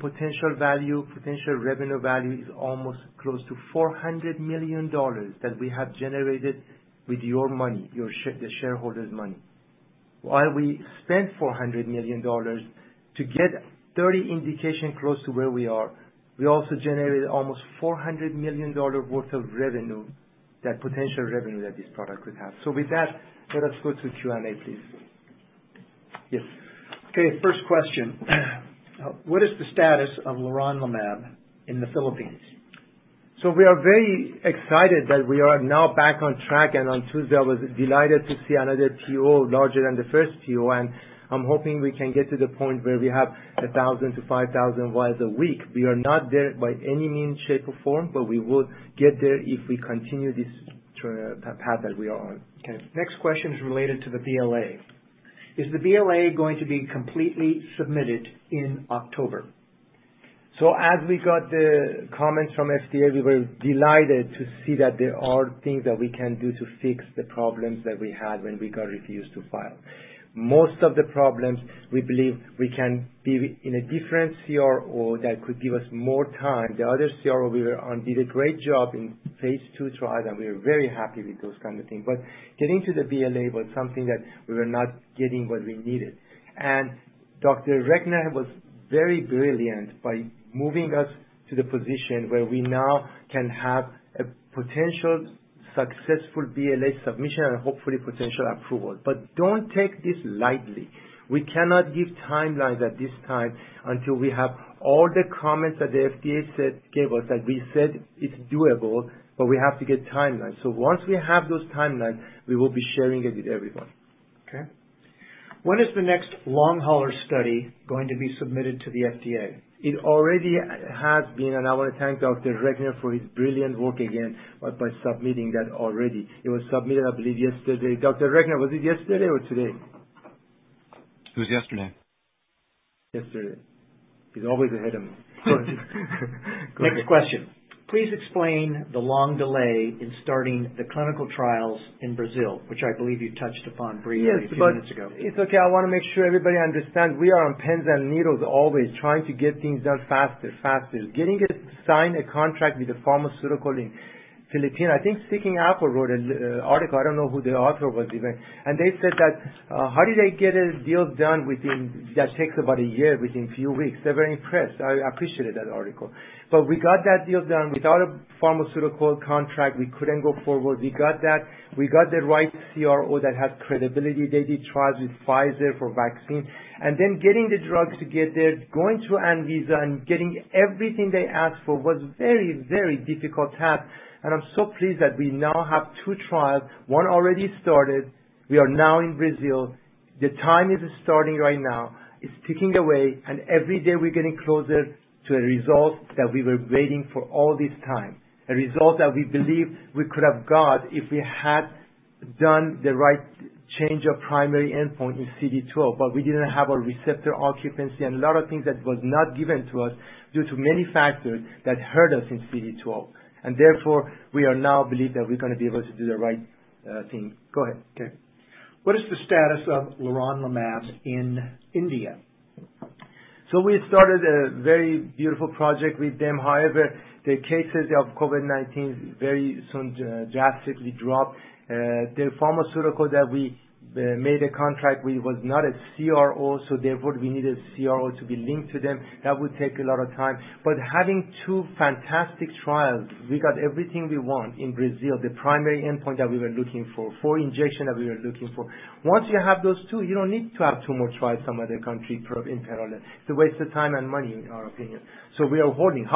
potential revenue value is almost close to $400 million that we have generated with your money, the shareholders' money. While we spent $400 million to get 30 indication close to where we are, we also generated almost $400 million worth of potential revenue that this product could have. With that, let us go to Q&A, please. Yes. Okay, first question. What is the status of leronlimab in the Philippines? We are very excited that we are now back on track. On Tuesday I was delighted to see another PO larger than the first PO. I'm hoping we can get to the point where we have 1,000 to 5,000 vials a week. We are not there by any means, shape or form, we will get there if we continue this path that we are on. Okay. Next question is related to the BLA. Is the BLA going to be completely submitted in October? As we got the comments from FDA, we were delighted to see that there are things that we can do to fix the problems that we had when we got refused to file. Most of the problems we believe we can be in a different CRO that could give us more time. The other CRO we were on did a great job in Phase II trials, and we are very happy with those kind of things. Getting to the BLA was something that we were not getting what we needed. Dr. Recknor was very brilliant by moving us to the position where we now can have a potential successful BLA submission and hopefully potential approval. Don't take this lightly. We cannot give timelines at this time until we have all the comments that the FDA gave us, that we said it's doable, but we have to get timelines. Once we have those timelines, we will be sharing it with everyone. Okay. When is the next long hauler study going to be submitted to the FDA? It already has been. I want to thank Dr. Recknor for his brilliant work again by submitting that already. It was submitted, I believe, yesterday. Dr. Recknor, was it yesterday or today? It was yesterday. Yesterday. He's always ahead of me. Next question. Please explain the long delay in starting the clinical trials in Brazil, which I believe you touched upon briefly a few minutes ago. Yes, it's okay. I want to make sure everybody understand. We are on pins and needles, always trying to get things done faster. Getting it signed, a contract with a pharmaceutical in Philippines. I think Seeking Alpha wrote an article. I don't know who the author was even, and they said that, how did they get a deal done within that takes about a year within few weeks? They're very impressed. I appreciate that article. We got that deal done. Without a pharmaceutical contract, we couldn't go forward. We got that. We got the right CRO that has credibility. They did trials with Pfizer for vaccine. Getting the drugs to get there, going through Anvisa and getting everything they asked for was very, very difficult to have. I'm so pleased that we now have two trials. One already started. We are now in Brazil. The time is starting right now. It's ticking away. Every day we're getting closer to a result that we were waiting for all this time. A result that we believe we could have got if we had done the right change of primary endpoint in CD12. We didn't have a receptor occupancy and a lot of things that was not given to us due to many factors that hurt us in CD12. Therefore, we are now believe that we're going to be able to do the right thing. Go ahead. Okay. What is the status of leronlimab in India? We started a very beautiful project with them. The cases of COVID-19 very soon drastically dropped. The pharmaceutical that we made a contract with was not a CRO, therefore, we needed CRO to be linked to them. That would take a lot of time. Having two fantastic trials, we got everything we want in Brazil, the primary endpoint that we were looking for, four injection that we were looking for. Once you have those two, you don't need to have two more trials some other country in parallel. It's a waste of time and money, in our opinion. We are holding.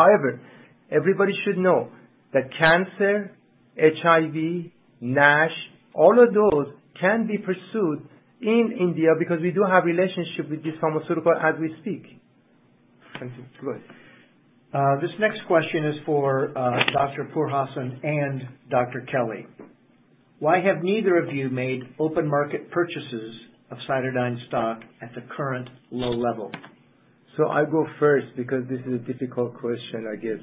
Everybody should know that cancer, HIV, NASH, all of those can be pursued in India because we do have relationship with this pharmaceutical as we speak. Thank you. Go ahead. This next question is for Dr. Pourhassan and Dr. Kelly. Why have neither of you made open market purchases of CytoDyn stock at the current low level? I go first because this is a difficult question, I guess.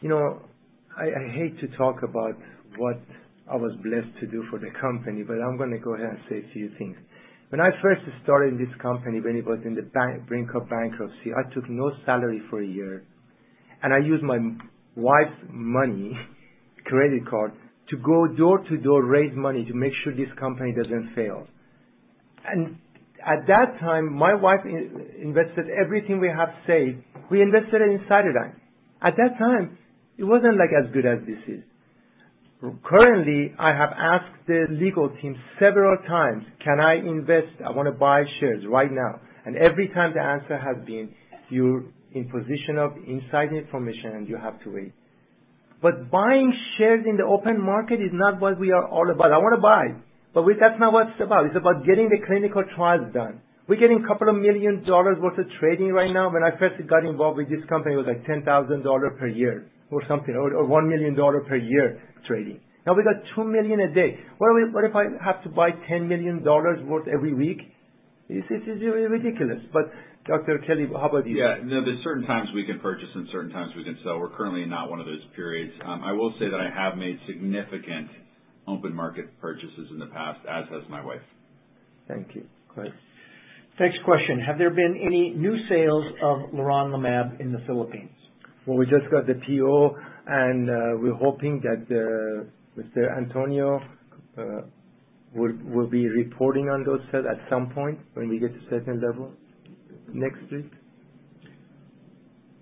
I hate to talk about what I was blessed to do for the company, but I'm going to go ahead and say a few things. When I first started this company, when it was in the brink of bankruptcy, I took no salary for one year, and I used my wife's money credit card to go door to door, raise money to make sure this company doesn't fail. At that time, my wife invested everything we have saved. We invested it in CytoDyn. At that time, it wasn't like as good as this is. Currently, I have asked the legal team several times, "Can I invest? I want to buy shares right now." Every time the answer has been, "You're in position of inside information, and you have to wait." Buying shares in the open market is not what we are all about. I want to buy, but that's not what it's about. It's about getting the clinical trials done. We're getting a couple of million dollars worth of trading right now. When I first got involved with this company, it was like $10,000 per year or something, or $1 million per year trading. Now we got $2 million a day. What if I have to buy $10 million worth every week? It's ridiculous. Dr. Kelly, how about you? There's certain times we can purchase and certain times we can sell. We're currently not one of those periods. I will say that I have made significant open market purchases in the past, as has my wife. Thank you. Go ahead. Next question. Have there been any new sales of leronlimab in the Philippines? Well, we just got the PO. We're hoping that Mr. Antonio will be reporting on those sales at some point when we get to certain level. Next, please.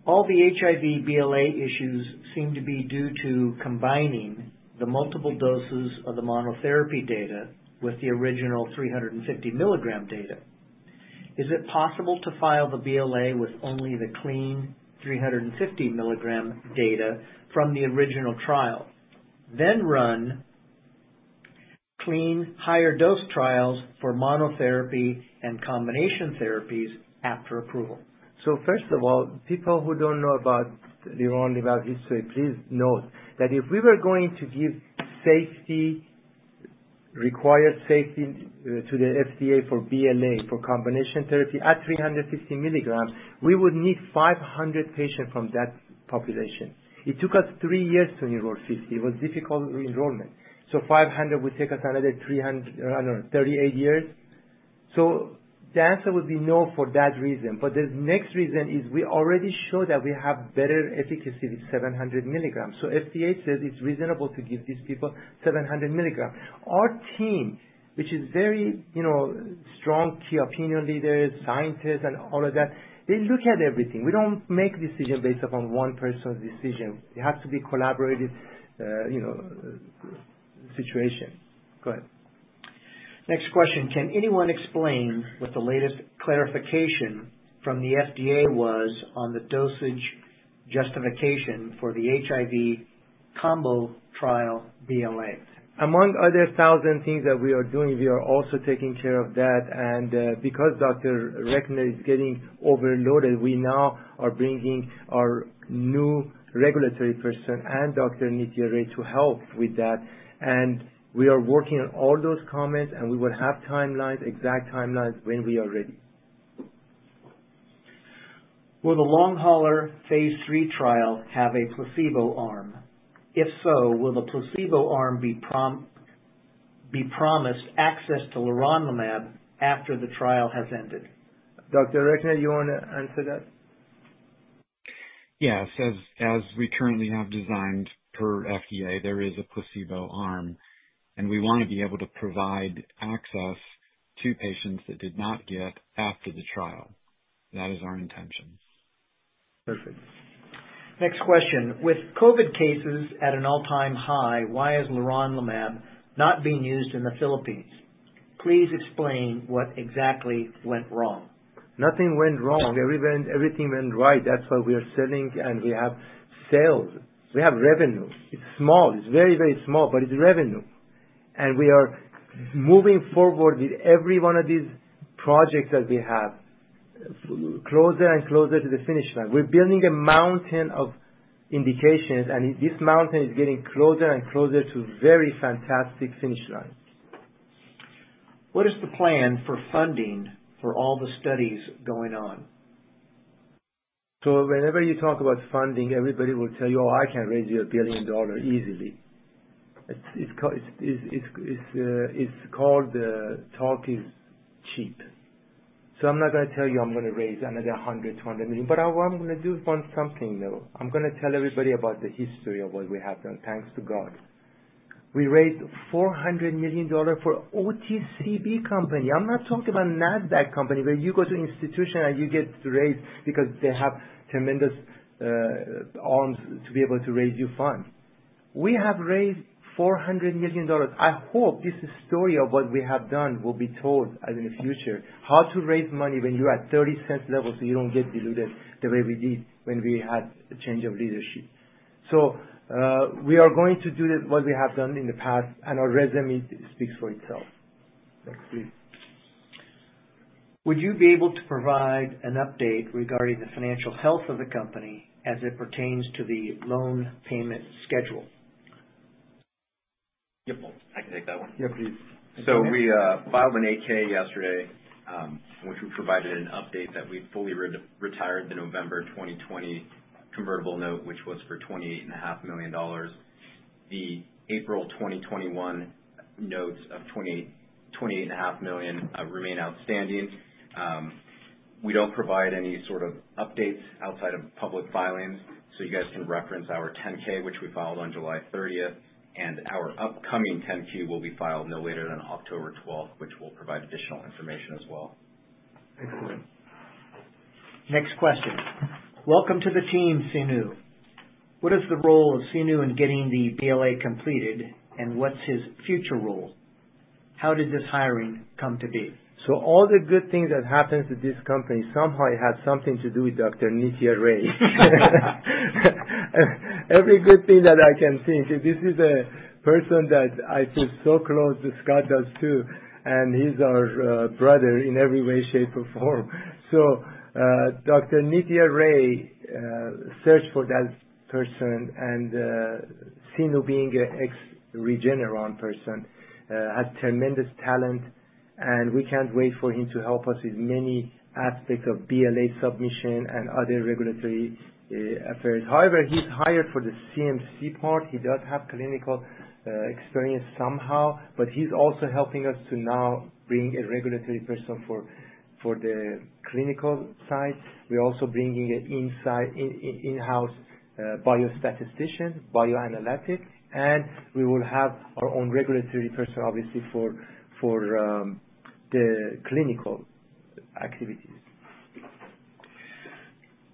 All the HIV BLA issues seem to be due to combining the multiple doses of the monotherapy data with the original 350 milligram data. Is it possible to file the BLA with only the clean 350 mg data from the original trial, then run clean higher dose trials for monotherapy and combination therapies after approval? First of all, people who don't know about leronlimab history, please note that if we were going to give required safety to the FDA for BLA for combination therapy at 350 milligrams, we would need 500 patients from that population. It took us three years to enroll 50. It was difficult enrollment. 500 would take us another 38 years. The answer would be no for that reason. The next reason is we already show that we have better efficacy with 700 milligrams. FDA says it's reasonable to give these people 700 milligrams. Our team, which is very strong key opinion leaders, scientists, and all of that, they look at everything. We don't make decision based upon one person's decision. It has to be collaborative situation. Go ahead. Next question. Can anyone explain what the latest clarification from the FDA was on the dosage justification for the HIV combo trial BLAs? Among other thousand things that we are doing, we are also taking care of that. Because Dr. Recknor is getting overloaded, we now are bringing our new regulatory person and Dr. Nitya Ray to help with that. We are working on all those comments, and we will have timelines, exact timelines, when we are ready. Will the long hauler Phase III trial have a placebo arm? If so, will the placebo arm be promised access to leronlimab after the trial has ended? Dr. Recknor, you want to answer that? Yes. As we currently have designed per FDA, there is a placebo arm, and we want to be able to provide access to patients that did not get after the trial. That is our intention. Perfect. Next question. With COVID cases at an all-time high, why is leronlimab not being used in the Philippines? Please explain what exactly went wrong. Nothing went wrong. Everything went right. That's why we are selling and we have sales. We have revenue. It's small. It's very, very small, but it's revenue. We are moving forward with every one of these projects that we have closer and closer to the finish line. We're building a mountain of indications. This mountain is getting closer and closer to very fantastic finish line. What is the plan for funding for all the studies going on? Whenever you talk about funding, everybody will tell you, "Oh, I can raise you $1 billion easily." It's called talk is cheap. I'm not going to tell you I'm going to raise another $100 million, $200 million. What I'm going to do is one something, though. I'm going to tell everybody about the history of what we have done. Thanks to God. We raised $400 million for OTCB company. I'm not talking about NASDAQ company, where you go to institution and you get to raise because they have tremendous arms to be able to raise you funds. We have raised $400 million. I hope this story of what we have done will be told in the future, how to raise money when you're at $0.30 level, you don't get diluted the way we did when we had a change of leadership. We are going to do what we have done in the past. Our resume speaks for itself. Next, please. Would you be able to provide an update regarding the financial health of the company as it pertains to the loan payment schedule? Yep. I can take that one. Yeah, please. We filed an 8-K yesterday, which we provided an update that we fully retired the November 2020 convertible note, which was for $28.5 million. The April 2021 notes of $28.5 million remain outstanding. We don't provide any sort of updates outside of public filings, so you guys can reference our 10-K, which we filed on July 30th, and our upcoming 10-Q will be filed no later than October 12th, which will provide additional information as well. Excellent. Next question. Welcome to the team, Seenu. What is the role of Seenu in getting the BLA completed, and what is his future role? How did this hiring come to be? All the good things that happened to this company somehow had something to do with Dr. Nitya Ray. Every good thing that I can think, this is a person that I feel so close, Scott does too, and he's our brother in every way, shape, or form. Dr. Nitya Ray searched for that person and Seenu being an ex Regeneron person has tremendous talent, and we can't wait for him to help us with many aspects of BLA submission and other regulatory affairs. However, he's hired for the CMC part. He does have clinical experience somehow, but he's also helping us to now bring a regulatory person for the clinical side. We're also bringing in-house biostatistician, bioanalytic, and we will have our own regulatory person, obviously, for the clinical activities.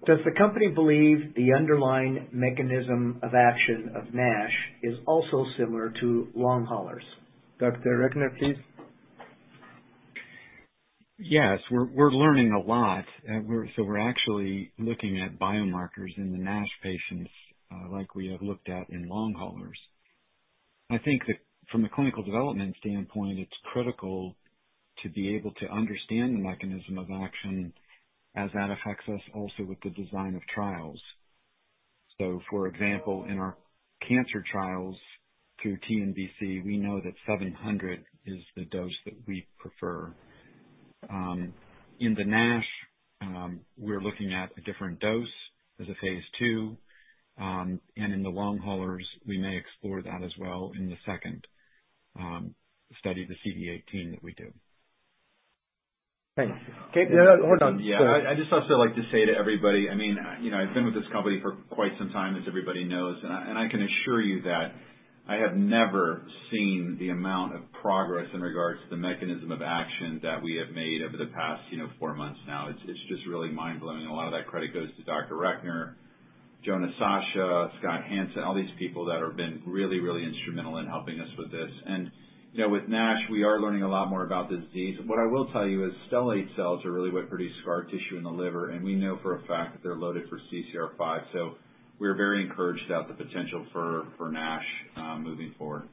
Does the company believe the underlying mechanism of action of NASH is also similar to long haulers? Dr. Recknor, please. Yes. We're learning a lot. We're actually looking at biomarkers in the NASH patients, like we have looked at in long haulers. I think that from a clinical development standpoint, it's critical to be able to understand the mechanism of action as that affects us also with the design of trials. For example, in our cancer trials through TNBC, we know that 700 is the dose that we prefer. In the NASH, we're looking at a different dose as a Phase II, and in the long haulers, we may explore that as well in the second study, the CD18 that we do. Thanks. Cape, hold on. Go ahead. I'd just also like to say to everybody, I've been with this company for quite some time, as everybody knows, and I can assure you that I have never seen the amount of progress in regards to the mechanism of action that we have made over the past four months now. It's just really mind-blowing. A lot of that credit goes to Dr. Chris Recknor, Jonah Sacha, Scott Hansen, all these people that have been really instrumental in helping us with this. With NASH, we are learning a lot more about this disease. What I will tell you is stellate cells are really what produce scar tissue in the liver, and we know for a fact that they're loaded for CCR5. We're very encouraged at the potential for NASH moving forward.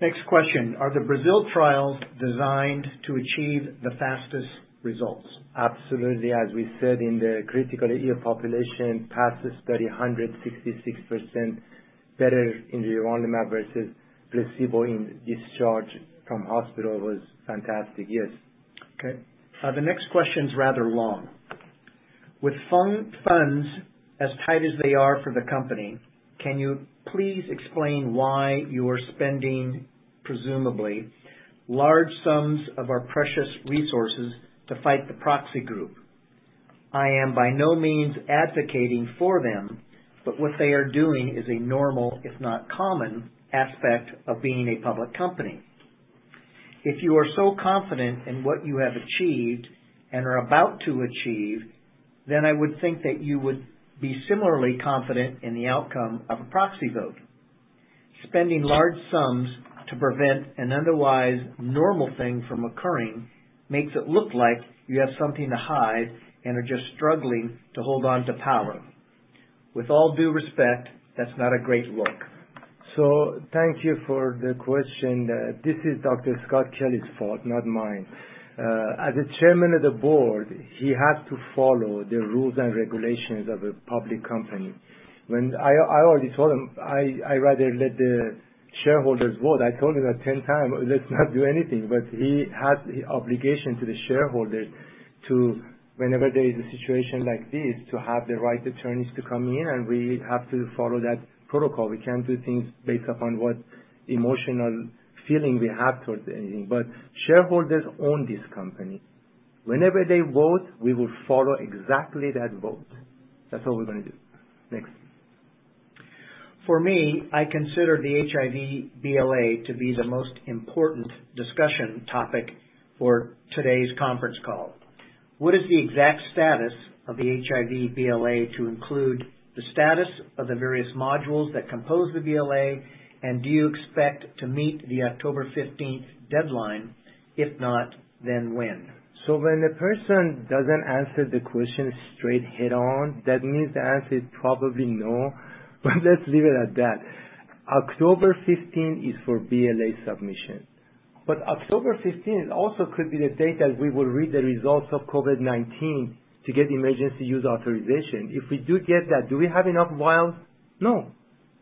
Next question. Are the Brazil trials designed to achieve the fastest results? Absolutely. As we said in the critical care population, passes study 166% better in leronlimab versus placebo in discharge from hospital was fantastic. Yes. Okay. The next question's rather long. With funds as tight as they are for the company, can you please explain why you are spending presumably large sums of our precious resources to fight the proxy group? I am by no means advocating for them, but what they are doing is a normal, if not common, aspect of being a public company. If you are so confident in what you have achieved and are about to achieve, then I would think that you would be similarly confident in the outcome of a proxy vote. Spending large sums to prevent an otherwise normal thing from occurring makes it look like you have something to hide and are just struggling to hold on to power. With all due respect, that's not a great look. Thank you for the question. This is Dr. Scott Kelly's fault, not mine. As the chairman of the board, he has to follow the rules and regulations of a public company. When I already told him, I rather let the shareholders vote. I told him that 10 times, let's not do anything. He has the obligation to the shareholders to whenever there is a situation like this to have the right attorneys to come in and we have to follow that protocol. We can't do things based upon what emotional feeling we have towards anything. Shareholders own this company. Whenever they vote, we will follow exactly that vote. That's all we're going to do. Next. For me, I consider the HIV BLA to be the most important discussion topic for today's conference call. What is the exact status of the HIV BLA to include the status of the various modules that compose the BLA, and do you expect to meet the October 15th deadline? If not, when? When a person doesn't answer the question straight head on, that means the answer is probably no. Let's leave it at that. October 15 is for BLA submission, but October 15th also could be the date that we will read the results of COVID-19 to get emergency use authorization. If we do get that, do we have enough vials? No.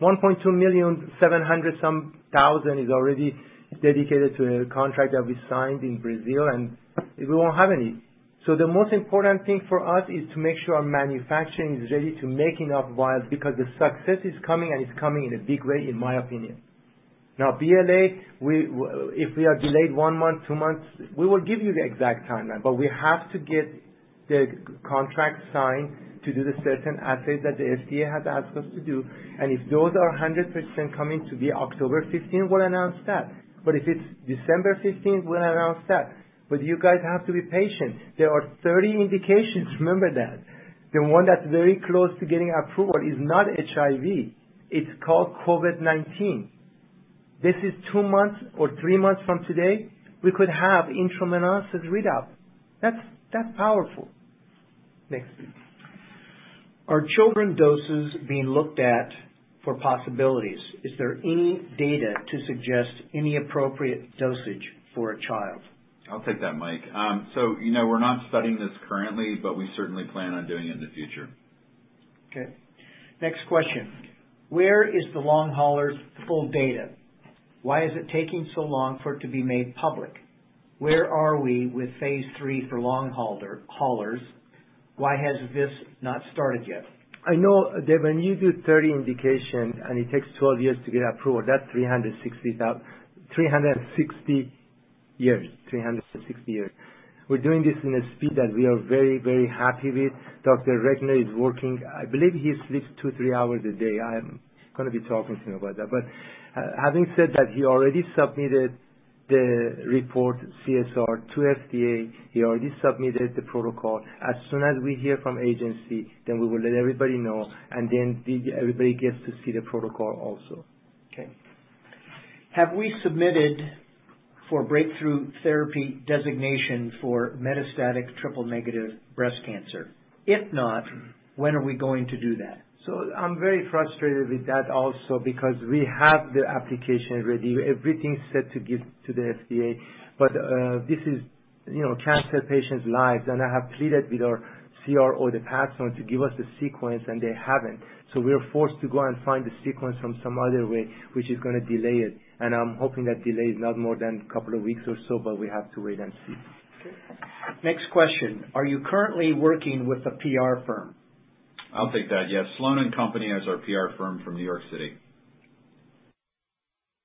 1.2 million, 700 some thousand is already dedicated to a contract that we signed in Brazil, and we won't have any. The most important thing for us is to make sure our manufacturing is ready to make enough vials because the success is coming, and it's coming in a big way in my opinion. Now, BLA, if we are delayed one month, two months, we will give you the exact timeline. We have to get the contract signed to do the certain assays that the FDA has asked us to do, and if those are 100% coming to be October 15th, we'll announce that. If it's December 15th, we'll announce that. You guys have to be patient. There are 30 indications. Remember that. The one that's very close to getting approval is not HIV. It's called COVID-19. This is two months or three months from today, we could have interim analysis readout. That's powerful. Next, please. Are children doses being looked at for possibilities? Is there any data to suggest any appropriate dosage for a child? I'll take that, Mike. We're not studying this currently, but we certainly plan on doing it in the future. Okay. Next question. Where is the long haulers' full data? Why is it taking so long for it to be made public? Where are we with Phase III for long haulers? Why has this not started yet? I know, Dave, when you do 30 indications and it takes 12 years to get approval, that's 360 years. We're doing this in a speed that we are very, very happy with. Dr. Recknor is working. I believe he sleeps two to three hours a day. I'm going to be talking to him about that. Having said that, he already submitted the report CSR to FDA. He already submitted the protocol. As soon as we hear from agency, we will let everybody know. Everybody gets to see the protocol also. Okay. Have we submitted for Breakthrough Therapy Designation for metastatic triple-negative breast cancer? If not, when are we going to do that? I'm very frustrated with that also because we have the application ready. Everything's set to give to the FDA. This is cancer patients' lives, and I have pleaded with our CRO, the past one, to give us the sequence, and they haven't. We are forced to go and find the sequence from some other way, which is going to delay it, and I'm hoping that delay is not more than two weeks or so, but we have to wait and see. Okay. Next question. Are you currently working with a PR firm? I'll take that. Yes, Sloane & Company is our PR firm from New York City.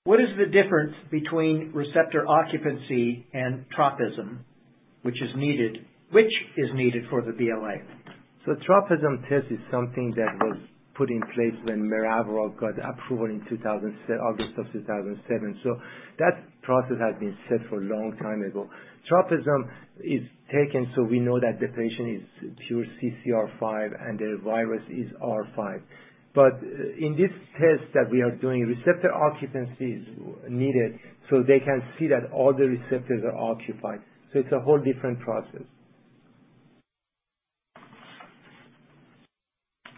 What is the difference between receptor occupancy and tropism? Which is needed for the BLA? Tropism test is something that was put in place when maraviroc got approval in August of 2007. That process has been set for a long time ago. Tropism is taken, so we know that the patient is pure CCR5 and the virus is R5. In this test that we are doing, receptor occupancy is needed, so they can see that all the receptors are occupied. It's a whole different process.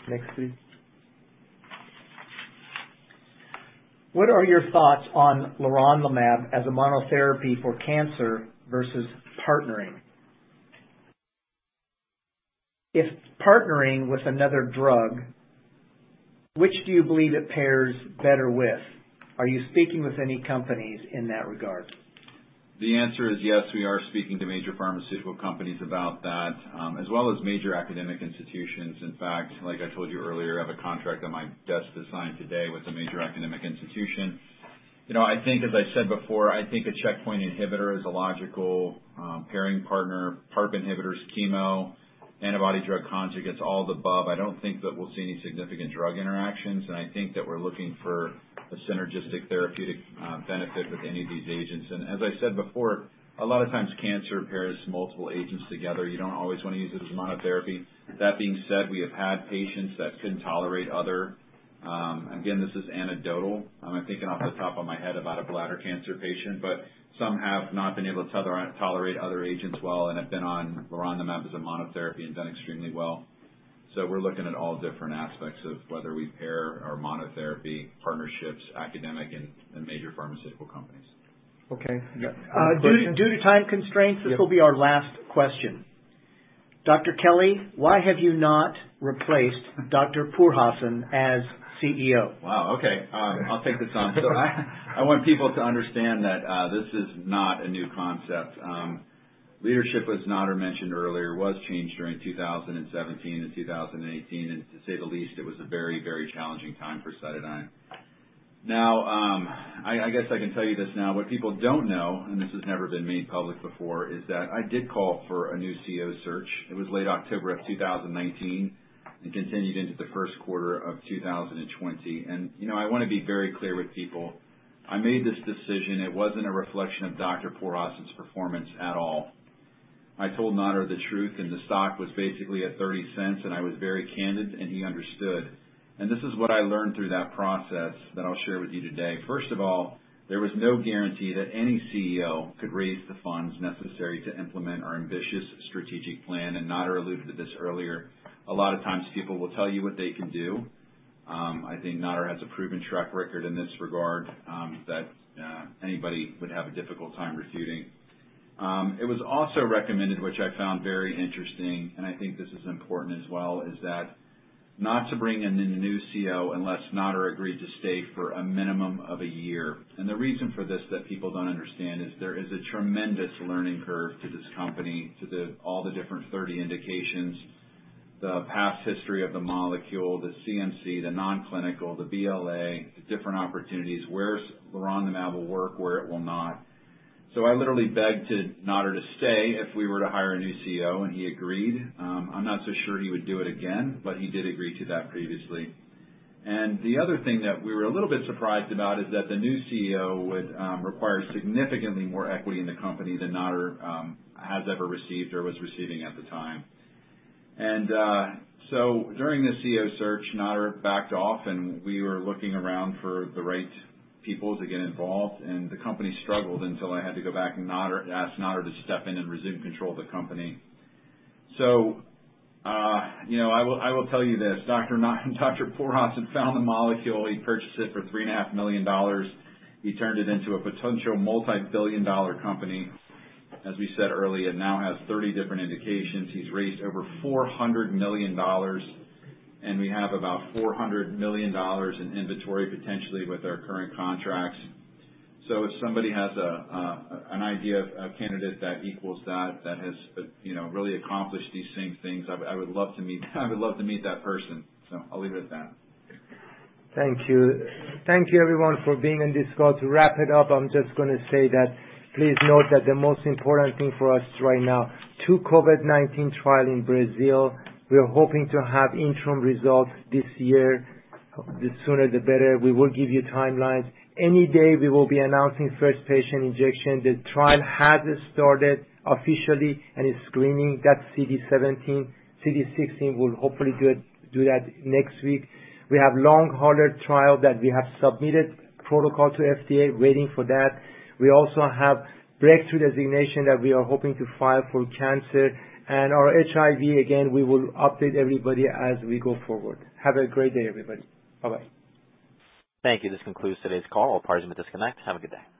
Next, please. What are your thoughts on leronlimab as a monotherapy for cancer versus partnering? If partnering with another drug, which do you believe it pairs better with? Are you speaking with any companies in that regard? The answer is yes, we are speaking to major pharmaceutical companies about that, as well as major academic institutions. In fact, like I told you earlier, I have a contract on my desk to sign today with a major academic institution. I think, as I said before, I think a checkpoint inhibitor is a logical pairing partner. PARP inhibitors, chemo, antibody-drug conjugates, all of the above. I don't think that we'll see any significant drug interactions, and I think that we're looking for a synergistic therapeutic benefit with any of these agents. As I said before, a lot of times cancer pairs multiple agents together. You don't always want to use it as monotherapy. That being said, we have had patients that couldn't tolerate other. Again, this is anecdotal. I'm thinking off the top of my head about a bladder cancer patient, but some have not been able to tolerate other agents well and have been on leronlimab as a monotherapy and done extremely well. We're looking at all different aspects of whether we pair our monotherapy partnerships, academic, and major pharmaceutical companies. Okay. You got any more questions? Due to time constraints, this will be our last question. Dr. Kelly, why have you not replaced Dr. Pourhassan as CEO? Wow. Okay. I'll take this on. I want people to understand that this is not a new concept. Leadership, as Nader mentioned earlier, was changed during 2017 and 2018. To say the least, it was a very, very challenging time for CytoDyn. I guess I can tell you this now. What people don't know, and this has never been made public before, is that I did call for a new CEO search. It was late October of 2019 and continued into the first quarter of 2020. I want to be very clear with people. I made this decision. It wasn't a reflection of Dr. Pourhassan's performance at all. I told Nader the truth, and the stock was basically at $0.30, and I was very candid, and he understood. This is what I learned through that process that I'll share with you today. First of all, there was no guarantee that any CEO could raise the funds necessary to implement our ambitious strategic plan, and Nader alluded to this earlier. A lot of times people will tell you what they can do. I think Nader has a proven track record in this regard that anybody would have a difficult time refuting. It was also recommended, which I found very interesting, and I think this is important as well, is that not to bring in the new CEO unless Nader agreed to stay for a minimum of a year. The reason for this that people don't understand is there is a tremendous learning curve to this company, to all the different 30 indications, the past history of the molecule, the CMC, the non-clinical, the BLA, the different opportunities, where leronlimab will work, where it will not. I literally begged Nader to stay if we were to hire a new CEO, and he agreed. I'm not so sure he would do it again, but he did agree to that previously. The other thing that we were a little bit surprised about is that the new CEO would require significantly more equity in the company than Nader has ever received or was receiving at the time. During the CEO search, Nader backed off, and we were looking around for the right people to get involved, and the company struggled until I had to go back and ask Nader to step in and resume control of the company. I will tell you this. Dr. Pourhassan found the molecule. He purchased it for $3.5 million. He turned it into a potential multibillion-dollar company. As we said earlier, now has 30 different indications. He's raised over $400 million, and we have about $400 million in inventory, potentially with our current contracts. If somebody has an idea of a candidate that equals that has really accomplished these same things, I would love to meet that person. I'll leave it at that. Thank you. Thank you everyone for being on this call. To wrap it up, I'm just going to say that please note that the most important thing for us right now, two COVID-19 trial in Brazil. We are hoping to have interim results this year. The sooner the better. We will give you timelines. Any day, we will be announcing first patient injection. The trial has started officially and is screening. That's CD17. CD16, we'll hopefully do that next week. We have long-hauler trial that we have submitted protocol to FDA, waiting for that. We also have Breakthrough Designation that we are hoping to file for cancer. Our HIV, again, we will update everybody as we go forward. Have a great day, everybody. Bye-bye. Thank you. This concludes today's call. All parties may disconnect. Have a good day.